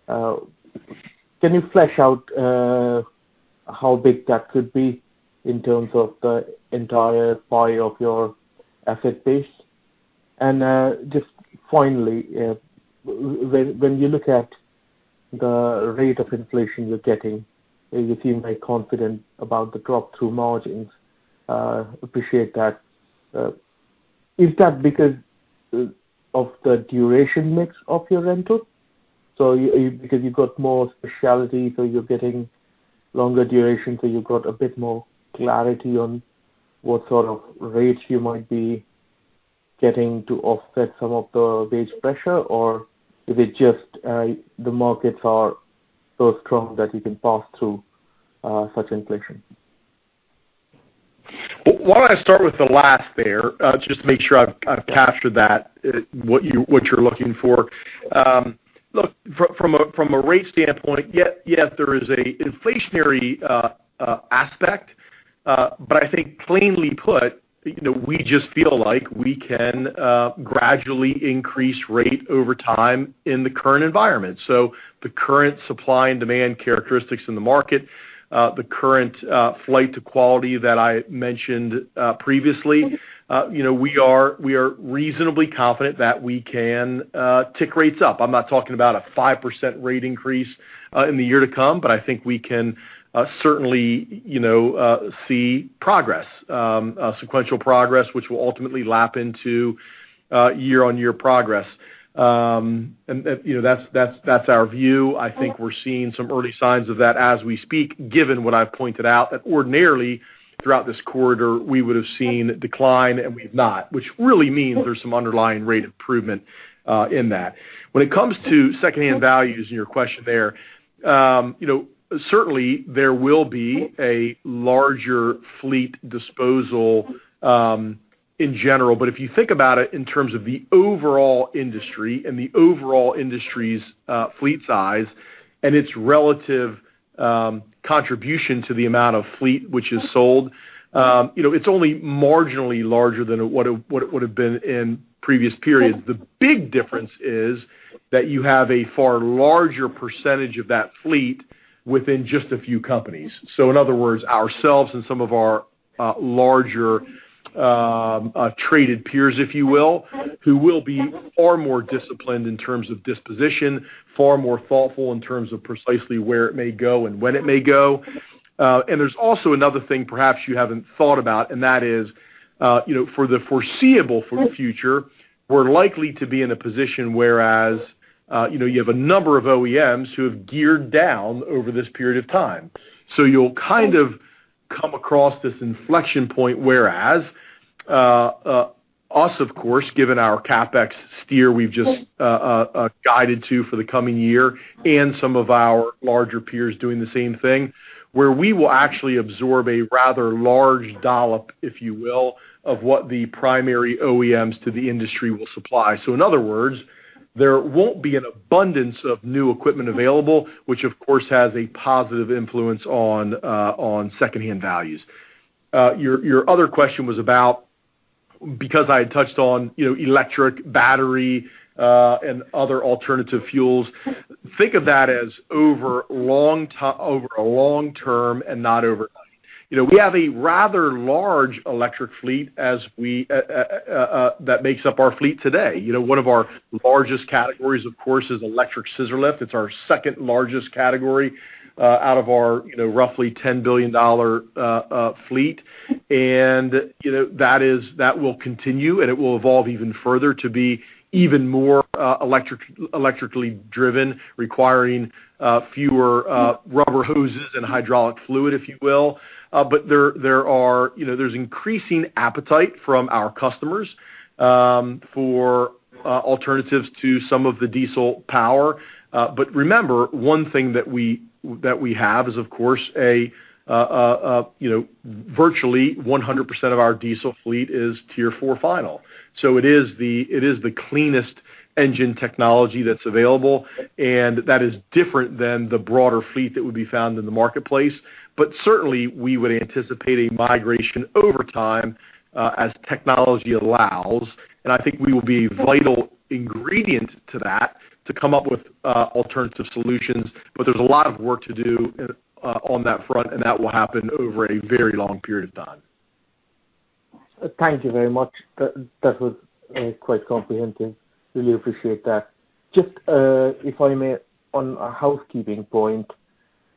Can you flesh out how big that could be in terms of the entire pie of your asset base? Just finally, when you look at the rate of inflation you're getting, you seem very confident about the drop-through margins. Appreciate that. Is that because of the duration mix of your rental? Because you've got more specialty, so you're getting longer duration, so you've got a bit more clarity on what sort of rates you might be getting to offset some of the wage pressure? Is it just the markets are so strong that you can pass through such inflation? Why don't I start with the last there, just to make sure I've captured that, what you're looking for. Look, from a rate standpoint, yes, there is an inflationary aspect. I think plainly put, we just feel like we can gradually increase rate over time in the current environment. The current supply and demand characteristics in the market, the current flight to quality that I mentioned previously, we are reasonably confident that we can tick rates up. I'm not talking about a 5% rate increase in the year to come, but I think we can certainly see progress, sequential progress, which will ultimately lap into year-on-year progress. That's our view. I think we're seeing some early signs of that as we speak, given what I've pointed out. Ordinarily, throughout this quarter, we would have seen decline, and we've not, which really means there's some underlying rate improvement in that. When it comes to secondhand values in your question there, certainly there will be a larger fleet disposal in general. If you think about it in terms of the overall industry and the overall industry's fleet size and its relative contribution to the amount of fleet which is sold, it's only marginally larger than what it would have been in previous periods. The big difference is that you have a far larger percentage of that fleet within just a few companies. In other words, ourselves and some of our larger traded peers, if you will, who will be far more disciplined in terms of disposition, far more thoughtful in terms of precisely where it may go and when it may go. There's also another thing perhaps you haven't thought about, and that is for the foreseeable future, we're likely to be in a position where you have a number of OEMs who have geared down over this period of time. You'll kind of come across this inflection point, where us, of course, given our CapEx steer we've just guided to for the coming year, and some of our larger peers doing the same thing, where we will actually absorb a rather large dollop, if you will, of what the primary OEMs to the industry will supply. In other words, there won't be an abundance of new equipment available, which of course has a positive influence on secondhand values. Your other question was about because I had touched on electric, battery, and other alternative fuels. Think of that as over a long term and not overnight. We have a rather large electric fleet that makes up our fleet today. One of our largest categories, of course, is electric scissor lift. It's our second-largest category out of our roughly $10 billion fleet. That will continue, and it will evolve even further to be even more electrically driven, requiring fewer rubber hoses and hydraulic fluid, if you will. There's increasing appetite from our customers for alternatives to some of the diesel power. Remember, one thing that we have is, of course, virtually 100% of our diesel fleet is Tier 4 final. It is the cleanest engine technology that's available, and that is different than the broader fleet that would be found in the marketplace. Certainly, we would anticipate a migration over time as technology allows, and I think we will be a vital ingredient to that to come up with alternative solutions. There's a lot of work to do on that front, and that will happen over a very long period of time. Thank you very much. That was quite comprehensive. Really appreciate that. Just if I may, on a housekeeping point,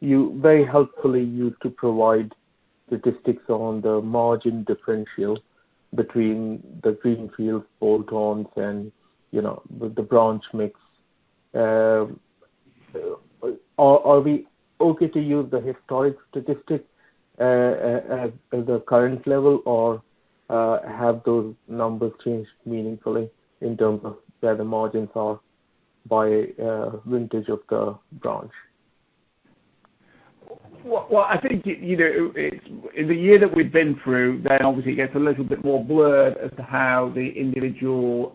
very helpfully you used to provide statistics on the margin differential between the greenfield bolt-ons and with the branch mix. Are we okay to use the historic statistics at the current level, or have those numbers changed meaningfully in terms of where the margins are by vintage of the branch? Well, I think in the year that we've been through, that obviously gets a little bit more blurred as to how the individual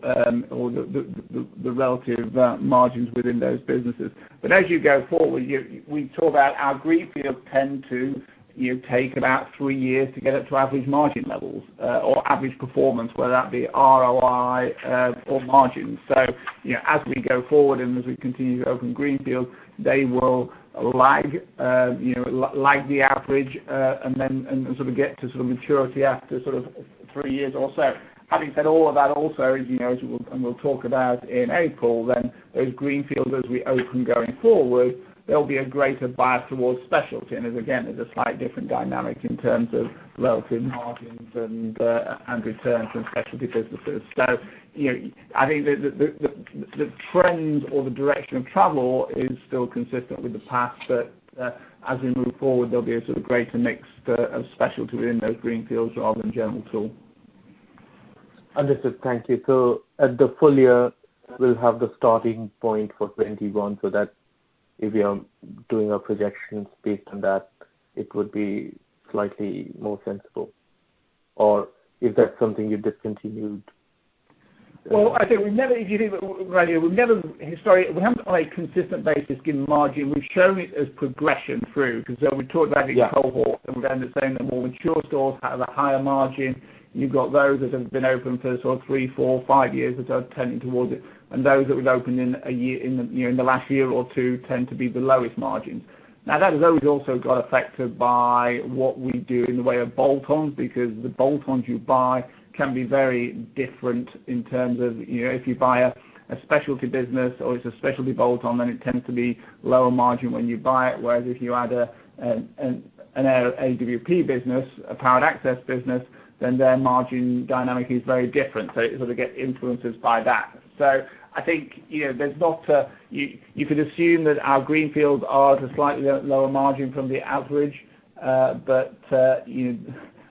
or the relative margins within those businesses. As you go forward, we talk about our greenfields tend to take about three years to get up to average margin levels or average performance, whether that be ROI or margins. As we go forward and as we continue to open greenfields, they will lag the average and then get to maturity after three years or so. Having said all of that also, as you know and we'll talk about in April, then those greenfields as we open going forward, there'll be a greater bias towards Specialty. Again, there's a slightly different dynamic in terms of relative margins and returns from Specialty businesses. I think the trend or the direction of travel is still consistent with the past, but as we move forward, there'll be a greater mix of specialty within those greenfields rather than general tool. Understood. Thank you. At the full year, we'll have the starting point for 2021, so that if we are doing our projections based on that, it would be slightly more sensible. Is that something you've discontinued? Well, I think we've never historically, we haven't on a consistent basis given margin. We've shown it as progression through because we talked about these cohorts and we understand that more mature stores have a higher margin. You've got those that have been open for three, four, five years that are tending towards it. Those that we've opened in the last year or two tend to be the lowest margins. Now, those also got affected by what we do in the way of bolt-ons because the bolt-ons you buy can be very different in terms of if you buy a specialty business or it's a specialty bolt-on, then it tends to be lower margin when you buy it. Whereas if you add an AWP business, a powered access business, then their margin dynamic is very different. It sort of gets influenced by that. I think you could assume that our greenfields are at a slightly lower margin from the average.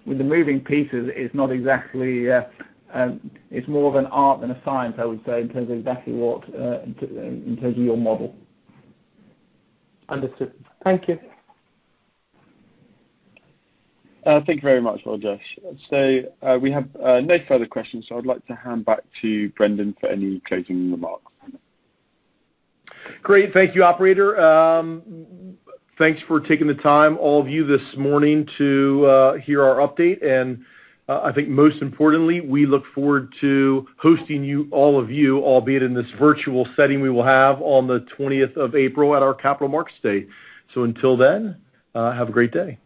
With the moving pieces, it's more of an art than a science, I would say, in terms of exactly what in terms of your model. Understood. Thank you. Thank you very much, Rajesh. We have no further questions, so I'd like to hand back to Brendan for any closing remarks. Great. Thank you, operator. Thanks for taking the time, all of you, this morning to hear our update. I think most importantly, we look forward to hosting all of you, albeit in this virtual setting we will have on the 20th of April at our Capital Markets Day. Until then, have a great day